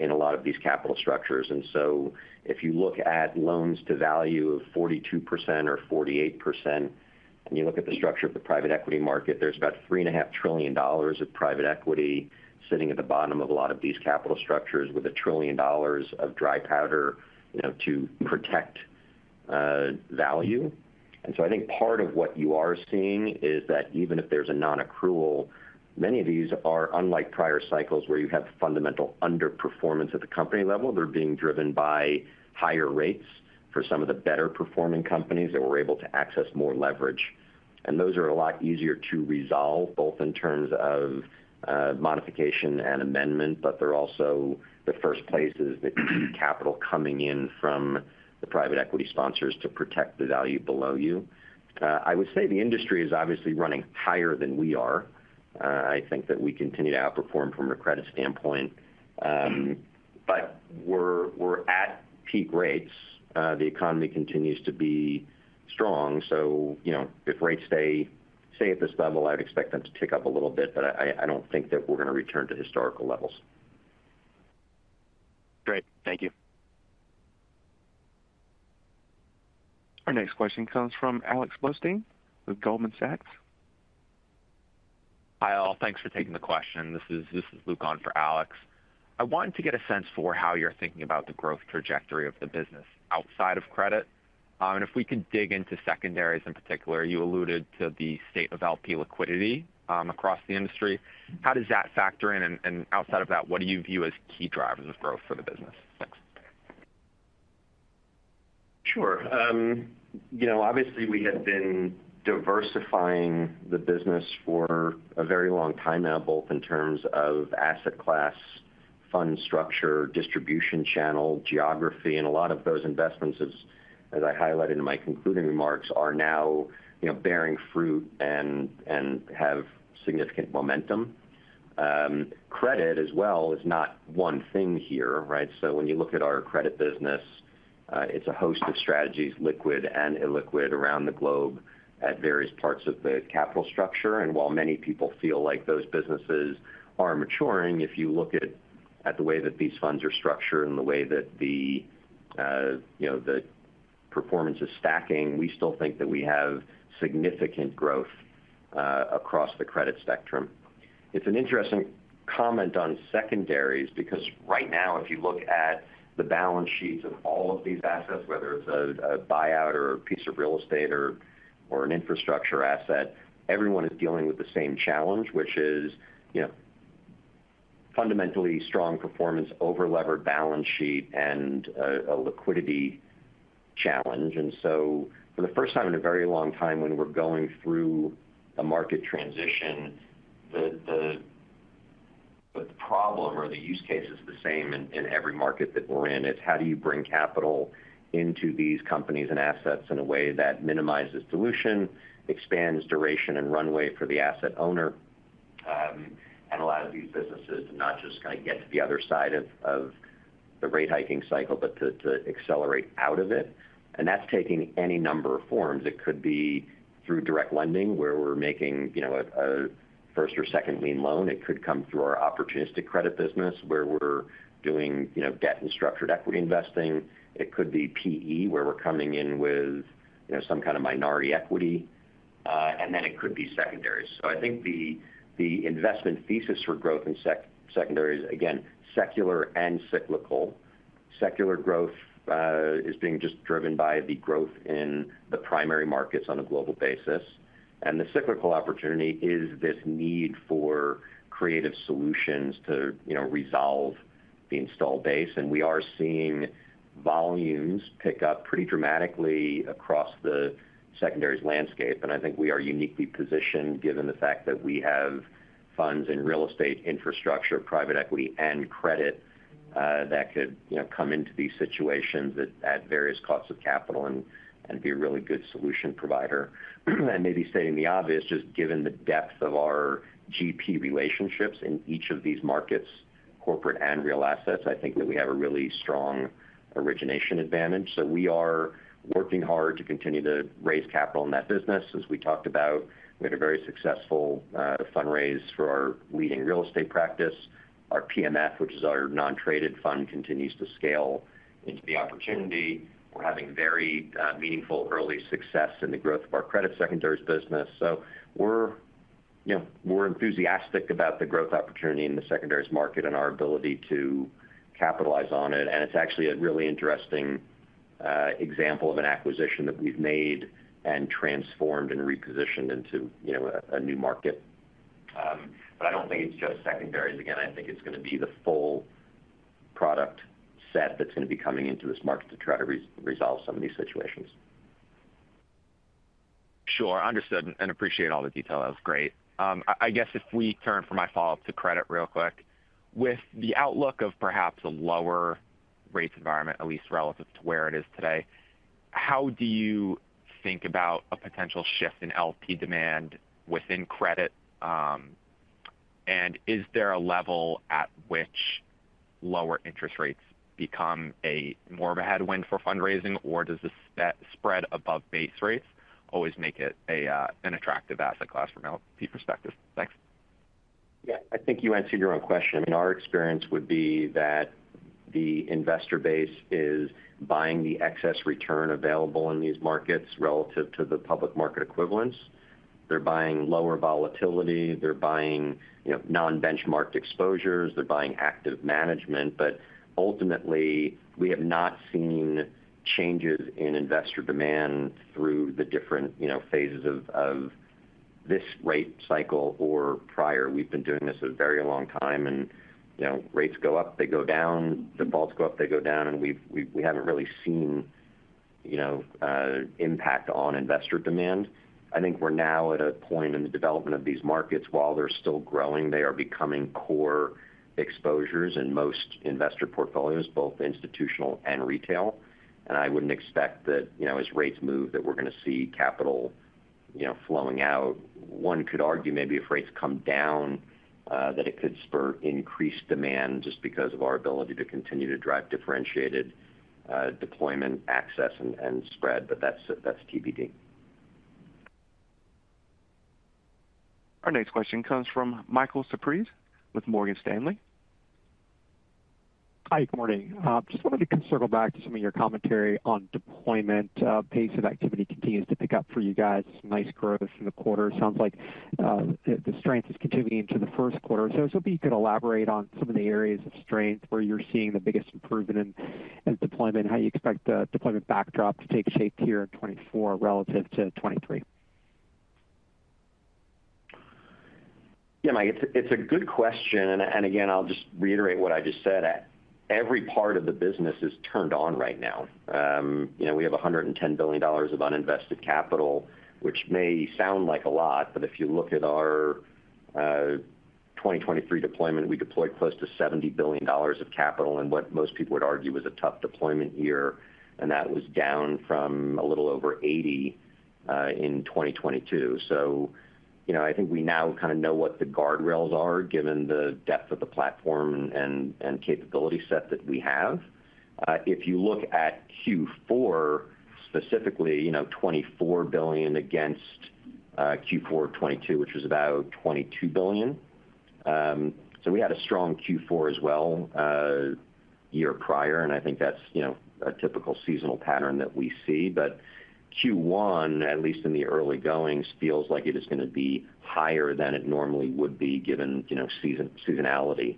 Speaker 3: in a lot of these capital structures. So if you look at loan-to-value of 42% or 48%, and you look at the structure of the private equity market, there's about $3.5 trillion of private equity sitting at the bottom of a lot of these capital structures with $1 trillion of dry powder, you know, to protect value. So I think part of what you are seeing is that even if there's a non-accrual, many of these are unlike prior cycles, where you have fundamental underperformance at the company level. They're being driven by higher rates for some of the better performing companies that were able to access more leverage. Those are a lot easier to resolve, both in terms of modification and amendment, but they're also the first places that you see capital coming in from the private equity sponsors to protect the value below you. I would say the industry is obviously running higher than we are. I think that we continue to outperform from a credit standpoint, but we're at peak rates. The economy continues to be strong, so you know, if rates stay at this level, I'd expect them to tick up a little bit. But I don't think that we're going to return to historical levels.
Speaker 9: Great, thank you.
Speaker 1: Our next question comes from Alex Blostein with Goldman Sachs.
Speaker 10: Hi, all. Thanks for taking the question. This is Luke on for Alex. I wanted to get a sense for how you're thinking about the growth trajectory of the business outside of credit. And if we could dig into secondaries in particular, you alluded to the state of LP liquidity across the industry. How does that factor in? And outside of that, what do you view as key drivers of growth for the business? Thanks.
Speaker 3: Sure. You know, obviously, we have been diversifying the business for a very long time now, both in terms of asset class, fund structure, distribution channel, geography, and a lot of those investments, as I highlighted in my concluding remarks, are now, you know, bearing fruit and have significant momentum. Credit as well is not one thing here, right? So when you look at our credit business, it's a host of strategies, liquid and illiquid, around the globe at various parts of the capital structure. And while many people feel like those businesses are maturing, if you look at the way that these funds are structured and the way that the, you know, the performance is stacking, we still think that we have significant growth across the credit spectrum. It's an interesting comment on secondaries, because right now, if you look at the balance sheets of all of these assets, whether it's a buyout or a piece of real estate or an infrastructure asset, everyone is dealing with the same challenge, which is, you know, fundamentally strong performance, over-levered balance sheet, and a liquidity challenge. And so for the first time in a very long time, when we're going through a market transition, the problem or the use case is the same in every market that we're in. It's how do you bring capital into these companies and assets in a way that minimizes dilution, expands duration and runway for the asset owner, and allows these businesses to not just kind of get to the other side of the rate hiking cycle, but to accelerate out of it? And that's taking any number of forms. It could be through direct lending, where we're making, you know, a first or second lien loan. It could come through our opportunistic credit business, where we're doing, you know, debt and structured equity investing. It could be PE, where we're coming in with, you know, some kind of minority equity, and then it could be secondaries. So I think the investment thesis for growth in secondaries, again, secular and cyclical. Secular growth is being just driven by the growth in the primary markets on a global basis, and the cyclical opportunity is this need for creative solutions to, you know, resolve the installed base. And we are seeing volumes pick up pretty dramatically across the secondaries landscape. I think we are uniquely positioned, given the fact that we have funds in real estate, infrastructure, private equity, and credit, that could, you know, come into these situations at various costs of capital and be a really good solution provider. Maybe stating the obvious, just given the depth of our GP relationships in each of these markets, corporate and real assets, I think that we have a really strong origination advantage. We are working hard to continue to raise capital in that business. As we talked about, we had a very successful fundraise for our leading real estate practice. Our APMF, which is our non-traded fund, continues to scale into the opportunity. We're having very meaningful early success in the growth of our credit secondaries business. So we're, you know, we're enthusiastic about the growth opportunity in the secondaries market and our ability to capitalize on it. And it's actually a really interesting example of an acquisition that we've made and transformed and repositioned into, you know, a new market. But I don't think it's just secondaries. Again, I think it's going to be the full product set that's going to be coming into this market to try to re-resolve some of these situations.
Speaker 10: Sure. Understood, and appreciate all the detail. That was great. I guess if we turn for my follow-up to credit real quick, with the outlook of perhaps a lower rates environment, at least relative to where it is today, how do you think about a potential shift in LP demand within credit? And is there a level at which lower interest rates become a more of a headwind for fundraising, or does the spread above base rates always make it a an attractive asset class from an LP perspective? Thanks.
Speaker 3: Yeah, I think you answered your own question. I mean, our experience would be that the investor base is buying the excess return available in these markets relative to the public market equivalents. They're buying lower volatility. They're buying, you know, non-benchmarked exposures. They're buying active management. But ultimately, we have not seen changes in investor demand through the different, you know, phases of this rate cycle or prior. We've been doing this a very long time, and, you know, rates go up, they go down, defaults go up, they go down, and we haven't really seen, you know, impact on investor demand. I think we're now at a point in the development of these markets, while they're still growing, they are becoming core exposures in most investor portfolios, both institutional and retail. I wouldn't expect that, you know, as rates move, that we're going to see capital, you know, flowing out. One could argue maybe if rates come down, that it could spur increased demand just because of our ability to continue to drive differentiated, deployment, access, and, and spread, but that's, that's TBD.
Speaker 1: Our next question comes from Michael Cyprys with Morgan Stanley.
Speaker 11: Hi, good morning. Just wanted to circle back to some of your commentary on deployment. Pace of activity continues to pick up for you guys. Nice growth in the quarter. Sounds like the strength is continuing into the first quarter. So I was hoping you could elaborate on some of the areas of strength where you're seeing the biggest improvement in deployment, and how you expect the deployment backdrop to take shape here in 2024 relative to 2023.
Speaker 3: Yeah, Mike, it's a good question, and again, I'll just reiterate what I just said. Every part of the business is turned on right now. You know, we have $110 billion of uninvested capital, which may sound like a lot, but if you look at our 2023 deployment, we deployed close to $70 billion of capital in what most people would argue was a tough deployment year, and that was down from a little over 80 in 2022. So, you know, I think we now kind of know what the guardrails are, given the depth of the platform and capability set that we have. If you look at Q4, specifically, you know, $24 billion against Q4 of 2022, which was about $22 billion. So we had a strong Q4 as well, year prior, and I think that's, you know, a typical seasonal pattern that we see. But Q1, at least in the early goings, feels like it is going to be higher than it normally would be, given, you know, seasonality,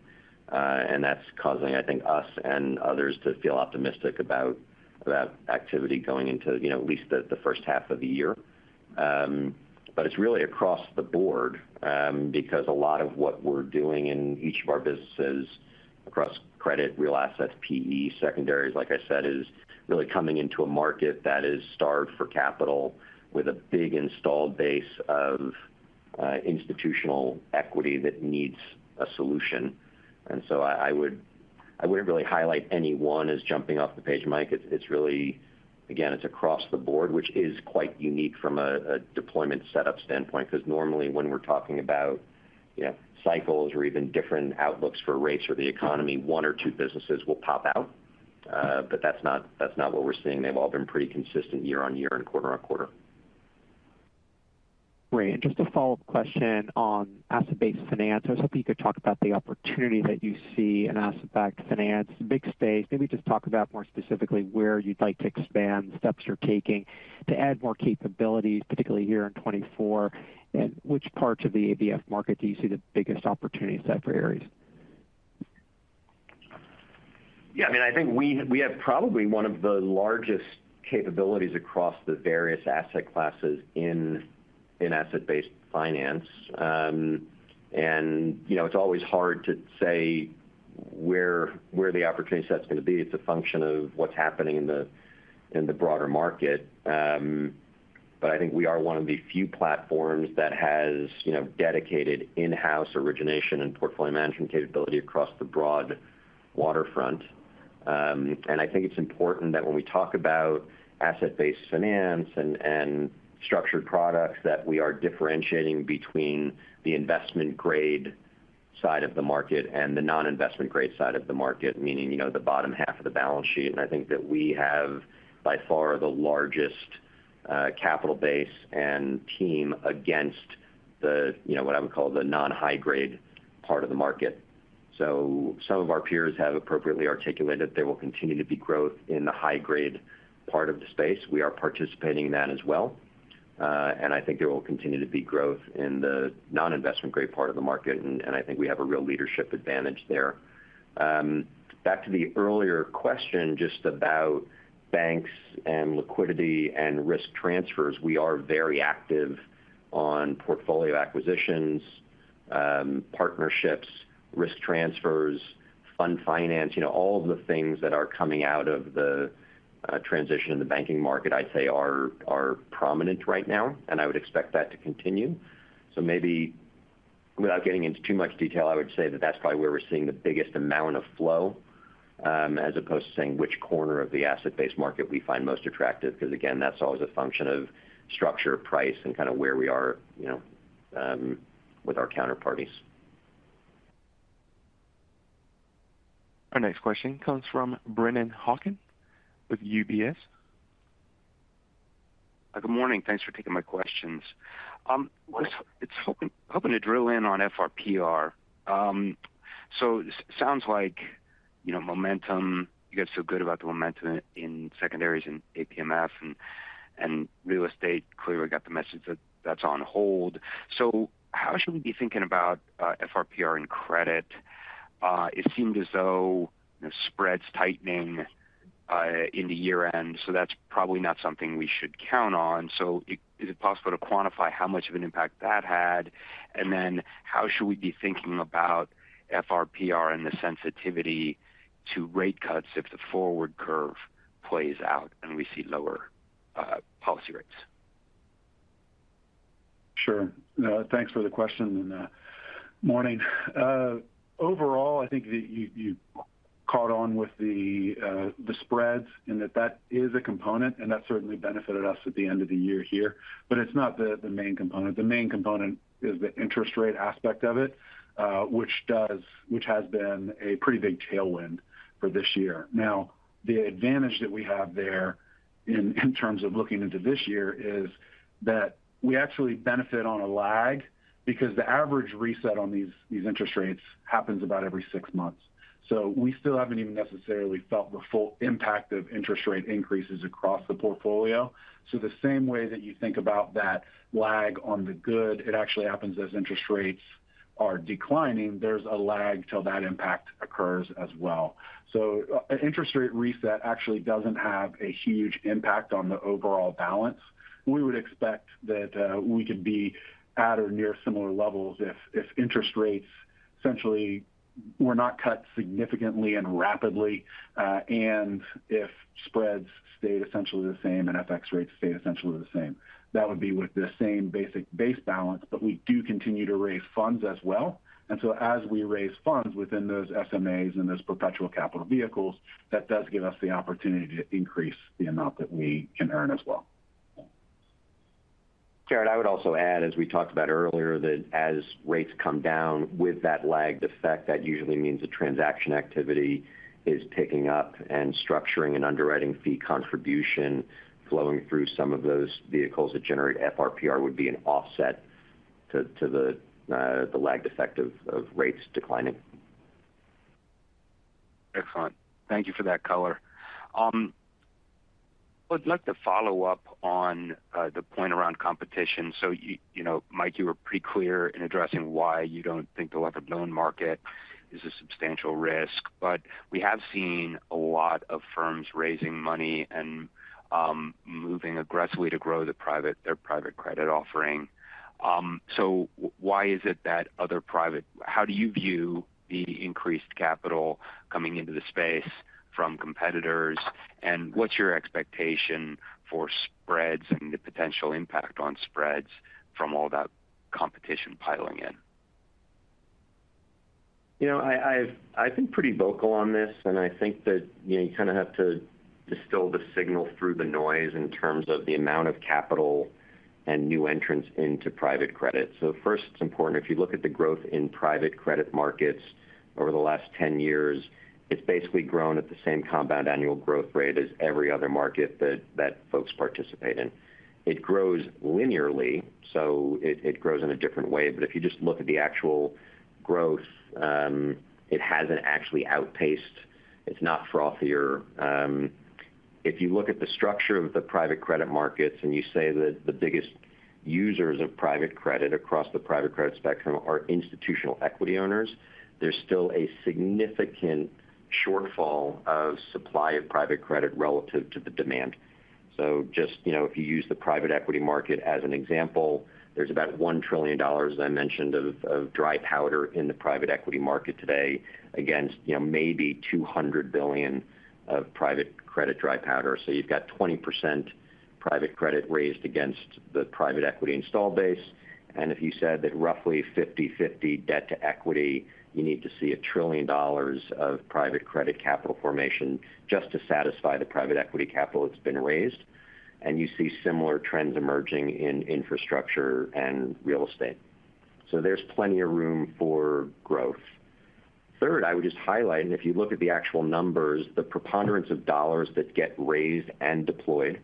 Speaker 3: and that's causing, I think, us and others to feel optimistic about activity going into, you know, at least the first half of the year. But it's really across the board, because a lot of what we're doing in each of our businesses across credit, real assets, PE, secondaries, like I said, is really coming into a market that is starved for capital with a big installed base of institutional equity that needs a solution. And so I wouldn't really highlight any one as jumping off the page, Mike. It's, it's really... Again, it's across the board, which is quite unique from a, a deployment setup standpoint, because normally when we're talking about, you know, cycles or even different outlooks for rates or the economy, one or two businesses will pop out. But that's not, that's not what we're seeing. They've all been pretty consistent year-over-year and quarter-over-quarter.
Speaker 11: Great. And just a follow-up question on asset-based finance. I was hoping you could talk about the opportunity that you see in asset-backed finance. Big space. Maybe just talk about more specifically where you'd like to expand, the steps you're taking to add more capabilities, particularly here in 2024, and which parts of the ABF market do you see the biggest opportunity set for Ares?
Speaker 3: Yeah, I mean, I think we have probably one of the largest capabilities across the various asset classes in asset-based finance. And, you know, it's always hard to say where the opportunity set's going to be. It's a function of what's happening in the broader market. But I think we are one of the few platforms that has, you know, dedicated in-house origination and portfolio management capability across the broad waterfront. And I think it's important that when we talk about asset-based finance and structured products, that we are differentiating between the investment grade side of the market and the non-investment grade side of the market, meaning, you know, the bottom half of the balance sheet. I think that we have, by far, the largest capital base and team against the, you know, what I would call the non-high grade part of the market. So some of our peers have appropriately articulated there will continue to be growth in the high grade part of the space. We are participating in that as well. And I think there will continue to be growth in the non-investment grade part of the market, and I think we have a real leadership advantage there. Back to the earlier question, just about banks and liquidity and risk transfers, we are very active on portfolio acquisitions, partnerships, risk transfers, fund finance. You know, all of the things that are coming out of the transition in the banking market, I'd say are prominent right now, and I would expect that to continue. So maybe without getting into too much detail, I would say that that's probably where we're seeing the biggest amount of flow, as opposed to saying which corner of the asset-based market we find most attractive, because again, that's always a function of structure, price, and kind of where we are, you know, with our counterparties.
Speaker 1: Our next question comes from Brennan Hawken with UBS.
Speaker 12: Good morning. Thanks for taking my questions. Just hoping to drill in on FRPR. So sounds like, you know, momentum, you guys feel good about the momentum in secondaries and APMF and real estate. Clearly, we got the message that that's on hold. So how should we be thinking about FRPR and credit? It seemed as though, you know, spreads tightening in the year-end, so that's probably not something we should count on. So is it possible to quantify how much of an impact that had? And then how should we be thinking about FRPR and the sensitivity to rate cuts if the forward curve plays out and we see lower policy rates?...
Speaker 4: Sure. Thanks for the question and morning. Overall, I think that you caught on with the spreads, and that that is a component, and that certainly benefited us at the end of the year here. But it's not the main component. The main component is the interest rate aspect of it, which has been a pretty big tailwind for this year. Now, the advantage that we have there in terms of looking into this year, is that we actually benefit on a lag because the average reset on these interest rates happens about every six months. So we still haven't even necessarily felt the full impact of interest rate increases across the portfolio. So the same way that you think about that lag on the good, it actually happens as interest rates are declining, there's a lag till that impact occurs as well. So, an interest rate reset actually doesn't have a huge impact on the overall balance. We would expect that, we could be at or near similar levels if, if interest rates essentially were not cut significantly and rapidly, and if spreads stayed essentially the same and FX rates stayed essentially the same. That would be with the same basic base balance, but we do continue to raise funds as well. And so as we raise funds within those SMAs and those perpetual capital vehicles, that does give us the opportunity to increase the amount that we can earn as well.
Speaker 3: Jarrod, I would also add, as we talked about earlier, that as rates come down with that lagged effect, that usually means the transaction activity is picking up, and structuring and underwriting fee contribution flowing through some of those vehicles that generate FRPR would be an offset to the lagged effect of rates declining.
Speaker 12: Excellent. Thank you for that color. I would like to follow up on the point around competition. So you, you know, Mike, you were pretty clear in addressing why you don't think the liquid loan market is a substantial risk. But we have seen a lot of firms raising money and moving aggressively to grow their private credit offering. So how do you view the increased capital coming into the space from competitors? And what's your expectation for spreads and the potential impact on spreads from all that competition piling in?
Speaker 3: You know, I've been pretty vocal on this, and I think that, you know, you kind of have to distill the signal through the noise in terms of the amount of capital and new entrants into private credit. So first, it's important if you look at the growth in private credit markets over the last 10 years. It's basically grown at the same compound annual growth rate as every other market that folks participate in. It grows linearly, so it grows in a different way. But if you just look at the actual growth, it hasn't actually outpaced. It's not frothier. If you look at the structure of the private credit markets, and you say that the biggest users of private credit across the private credit spectrum are institutional equity owners, there's still a significant shortfall of supply of private credit relative to the demand. So just, you know, if you use the private equity market as an example, there's about $1 trillion, as I mentioned, of dry powder in the private equity market today, against, you know, maybe $200 billion of private credit dry powder. So you've got 20% private credit raised against the private equity install base, and if you said that roughly 50/50 debt to equity, you need to see a $1 trillion of private credit capital formation just to satisfy the private equity capital that's been raised. And you see similar trends emerging in infrastructure and real estate. So there's plenty of room for growth. Third, I would just highlight, and if you look at the actual numbers, the preponderance of dollars that get raised and deployed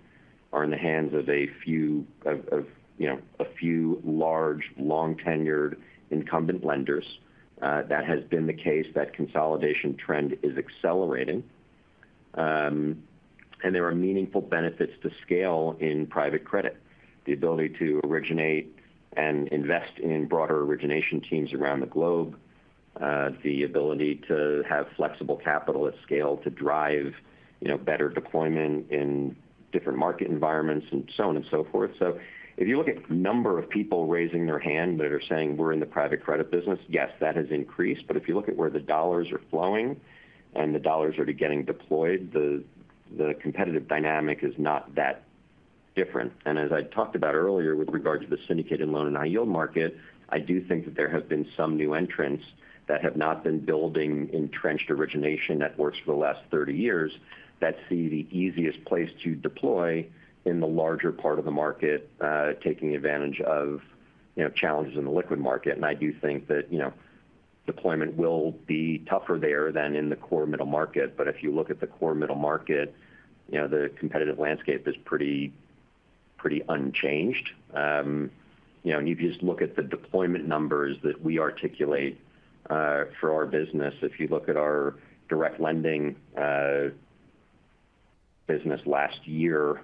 Speaker 3: are in the hands of a few of you know a few large, long-tenured incumbent lenders. That has been the case. That consolidation trend is accelerating, and there are meaningful benefits to scale in private credit, the ability to originate and invest in broader origination teams around the globe, the ability to have flexible capital at scale to drive, you know, better deployment in different market environments, and so on and so forth. So if you look at the number of people raising their hand that are saying, "We're in the private credit business," yes, that has increased. But if you look at where the dollars are flowing and the dollars are getting deployed, the competitive dynamic is not that different. And as I talked about earlier, with regard to the syndicated loan and high yield market, I do think that there have been some new entrants that have not been building entrenched origination networks for the last 30 years, that see the easiest place to deploy in the larger part of the market, taking advantage of, you know, challenges in the liquid market. And I do think that, you know, deployment will be tougher there than in the core middle market. But if you look at the core middle market, you know, the competitive landscape is pretty unchanged. You know, and if you just look at the deployment numbers that we articulate for our business, if you look at our direct lending business last year,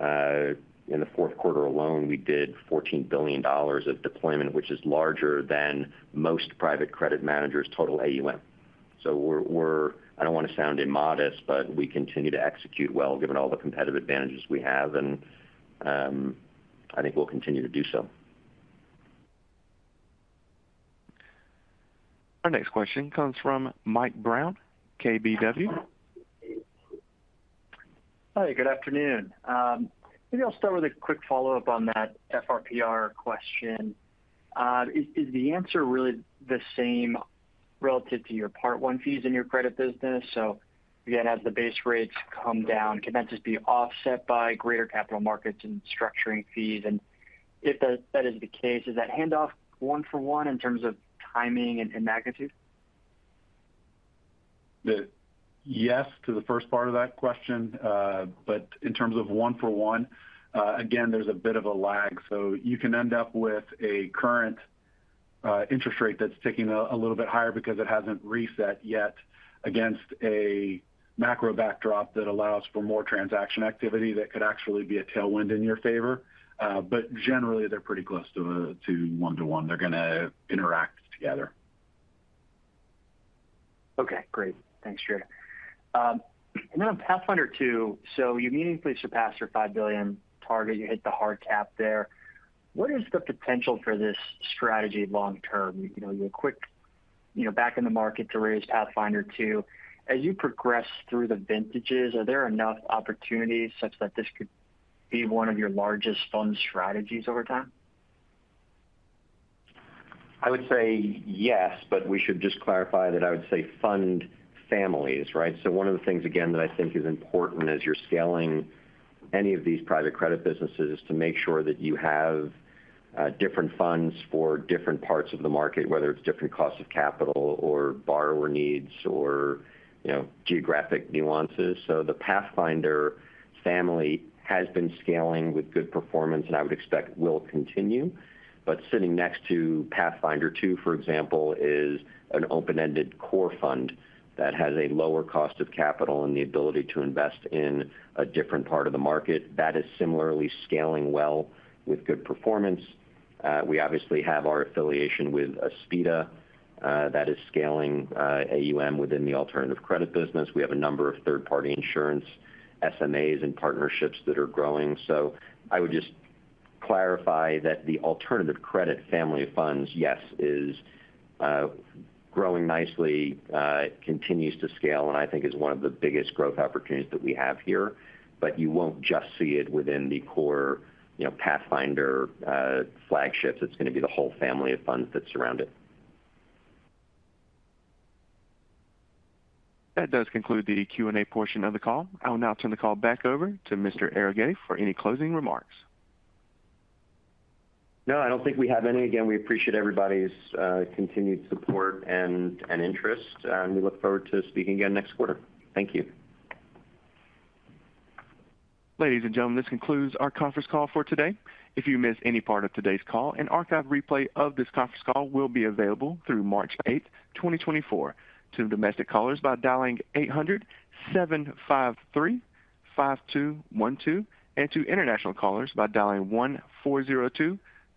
Speaker 3: in the fourth quarter alone, we did $14 billion of deployment, which is larger than most private credit managers' total AUM. So we're, we're, I don't want to sound immodest, but we continue to execute well, given all the competitive advantages we have, and I think we'll continue to do so.
Speaker 1: Our next question comes from Mike Brown, KBW.
Speaker 13: Hi, good afternoon. Maybe I'll start with a quick follow-up on that FRPR question. Is the answer really the same relative to your Part I fees in your credit business? So again, as the base rates come down, can that just be offset by greater capital markets and structuring fees? And if that is the case, is that handoff one for one in terms of timing and magnitude?
Speaker 4: Yes, to the first part of that question. But in terms of one for one, again, there's a bit of a lag. So you can end up with a current interest rate that's ticking a little bit higher because it hasn't reset yet against a macro backdrop that allows for more transaction activity that could actually be a tailwind in your favor. But generally, they're pretty close to 1/1. They're going to interact together.
Speaker 13: Okay, great. Thanks, Jarrod. And then on Pathfinder II, so you meaningfully surpassed your $5 billion target. You hit the hard cap there. What is the potential for this strategy long term? You know, you're quick, you know, back in the market to raise Pathfinder II. As you progress through the vintages, are there enough opportunities such that this could be one of your largest fund strategies over time?
Speaker 4: I would say yes, but we should just clarify that I would say fund families, right? So one of the things, again, that I think is important as you're scaling any of these private credit businesses, is to make sure that you have, different funds for different parts of the market, whether it's different costs of capital or borrower needs or, you know, geographic nuances. So the Pathfinder family has been scaling with good performance, and I would expect will continue. But sitting next to Pathfinder II, for example, is an open-ended core fund that has a lower cost of capital and the ability to invest in a different part of the market that is similarly scaling well with good performance. We obviously have our affiliation with Aspida, that is scaling AUM within the alternative credit business. We have a number of third-party insurance, SMAs and partnerships that are growing. So I would just clarify that the alternative credit family of funds, yes, is growing nicely, continues to scale, and I think is one of the biggest growth opportunities that we have here. But you won't just see it within the core, you know, Pathfinder flagships. It's going to be the whole family of funds that surround it.
Speaker 1: That does conclude the Q&A portion of the call. I'll now turn the call back over to Mr. Arougheti for any closing remarks.
Speaker 3: No, I don't think we have any. Again, we appreciate everybody's continued support and, and interest, and we look forward to speaking again next quarter. Thank you.
Speaker 1: Ladies and gentlemen, this concludes our conference call for today. If you missed any part of today's call, an archive replay of this conference call will be available through March 8, 2024, to domestic callers by dialing 800-753-5212, and to international callers by dialing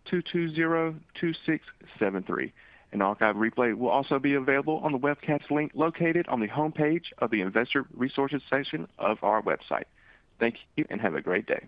Speaker 1: 1-402-220-2673. An archive replay will also be available on the webcast link located on the homepage of the Investor Resources section of our website. Thank you and have a great day.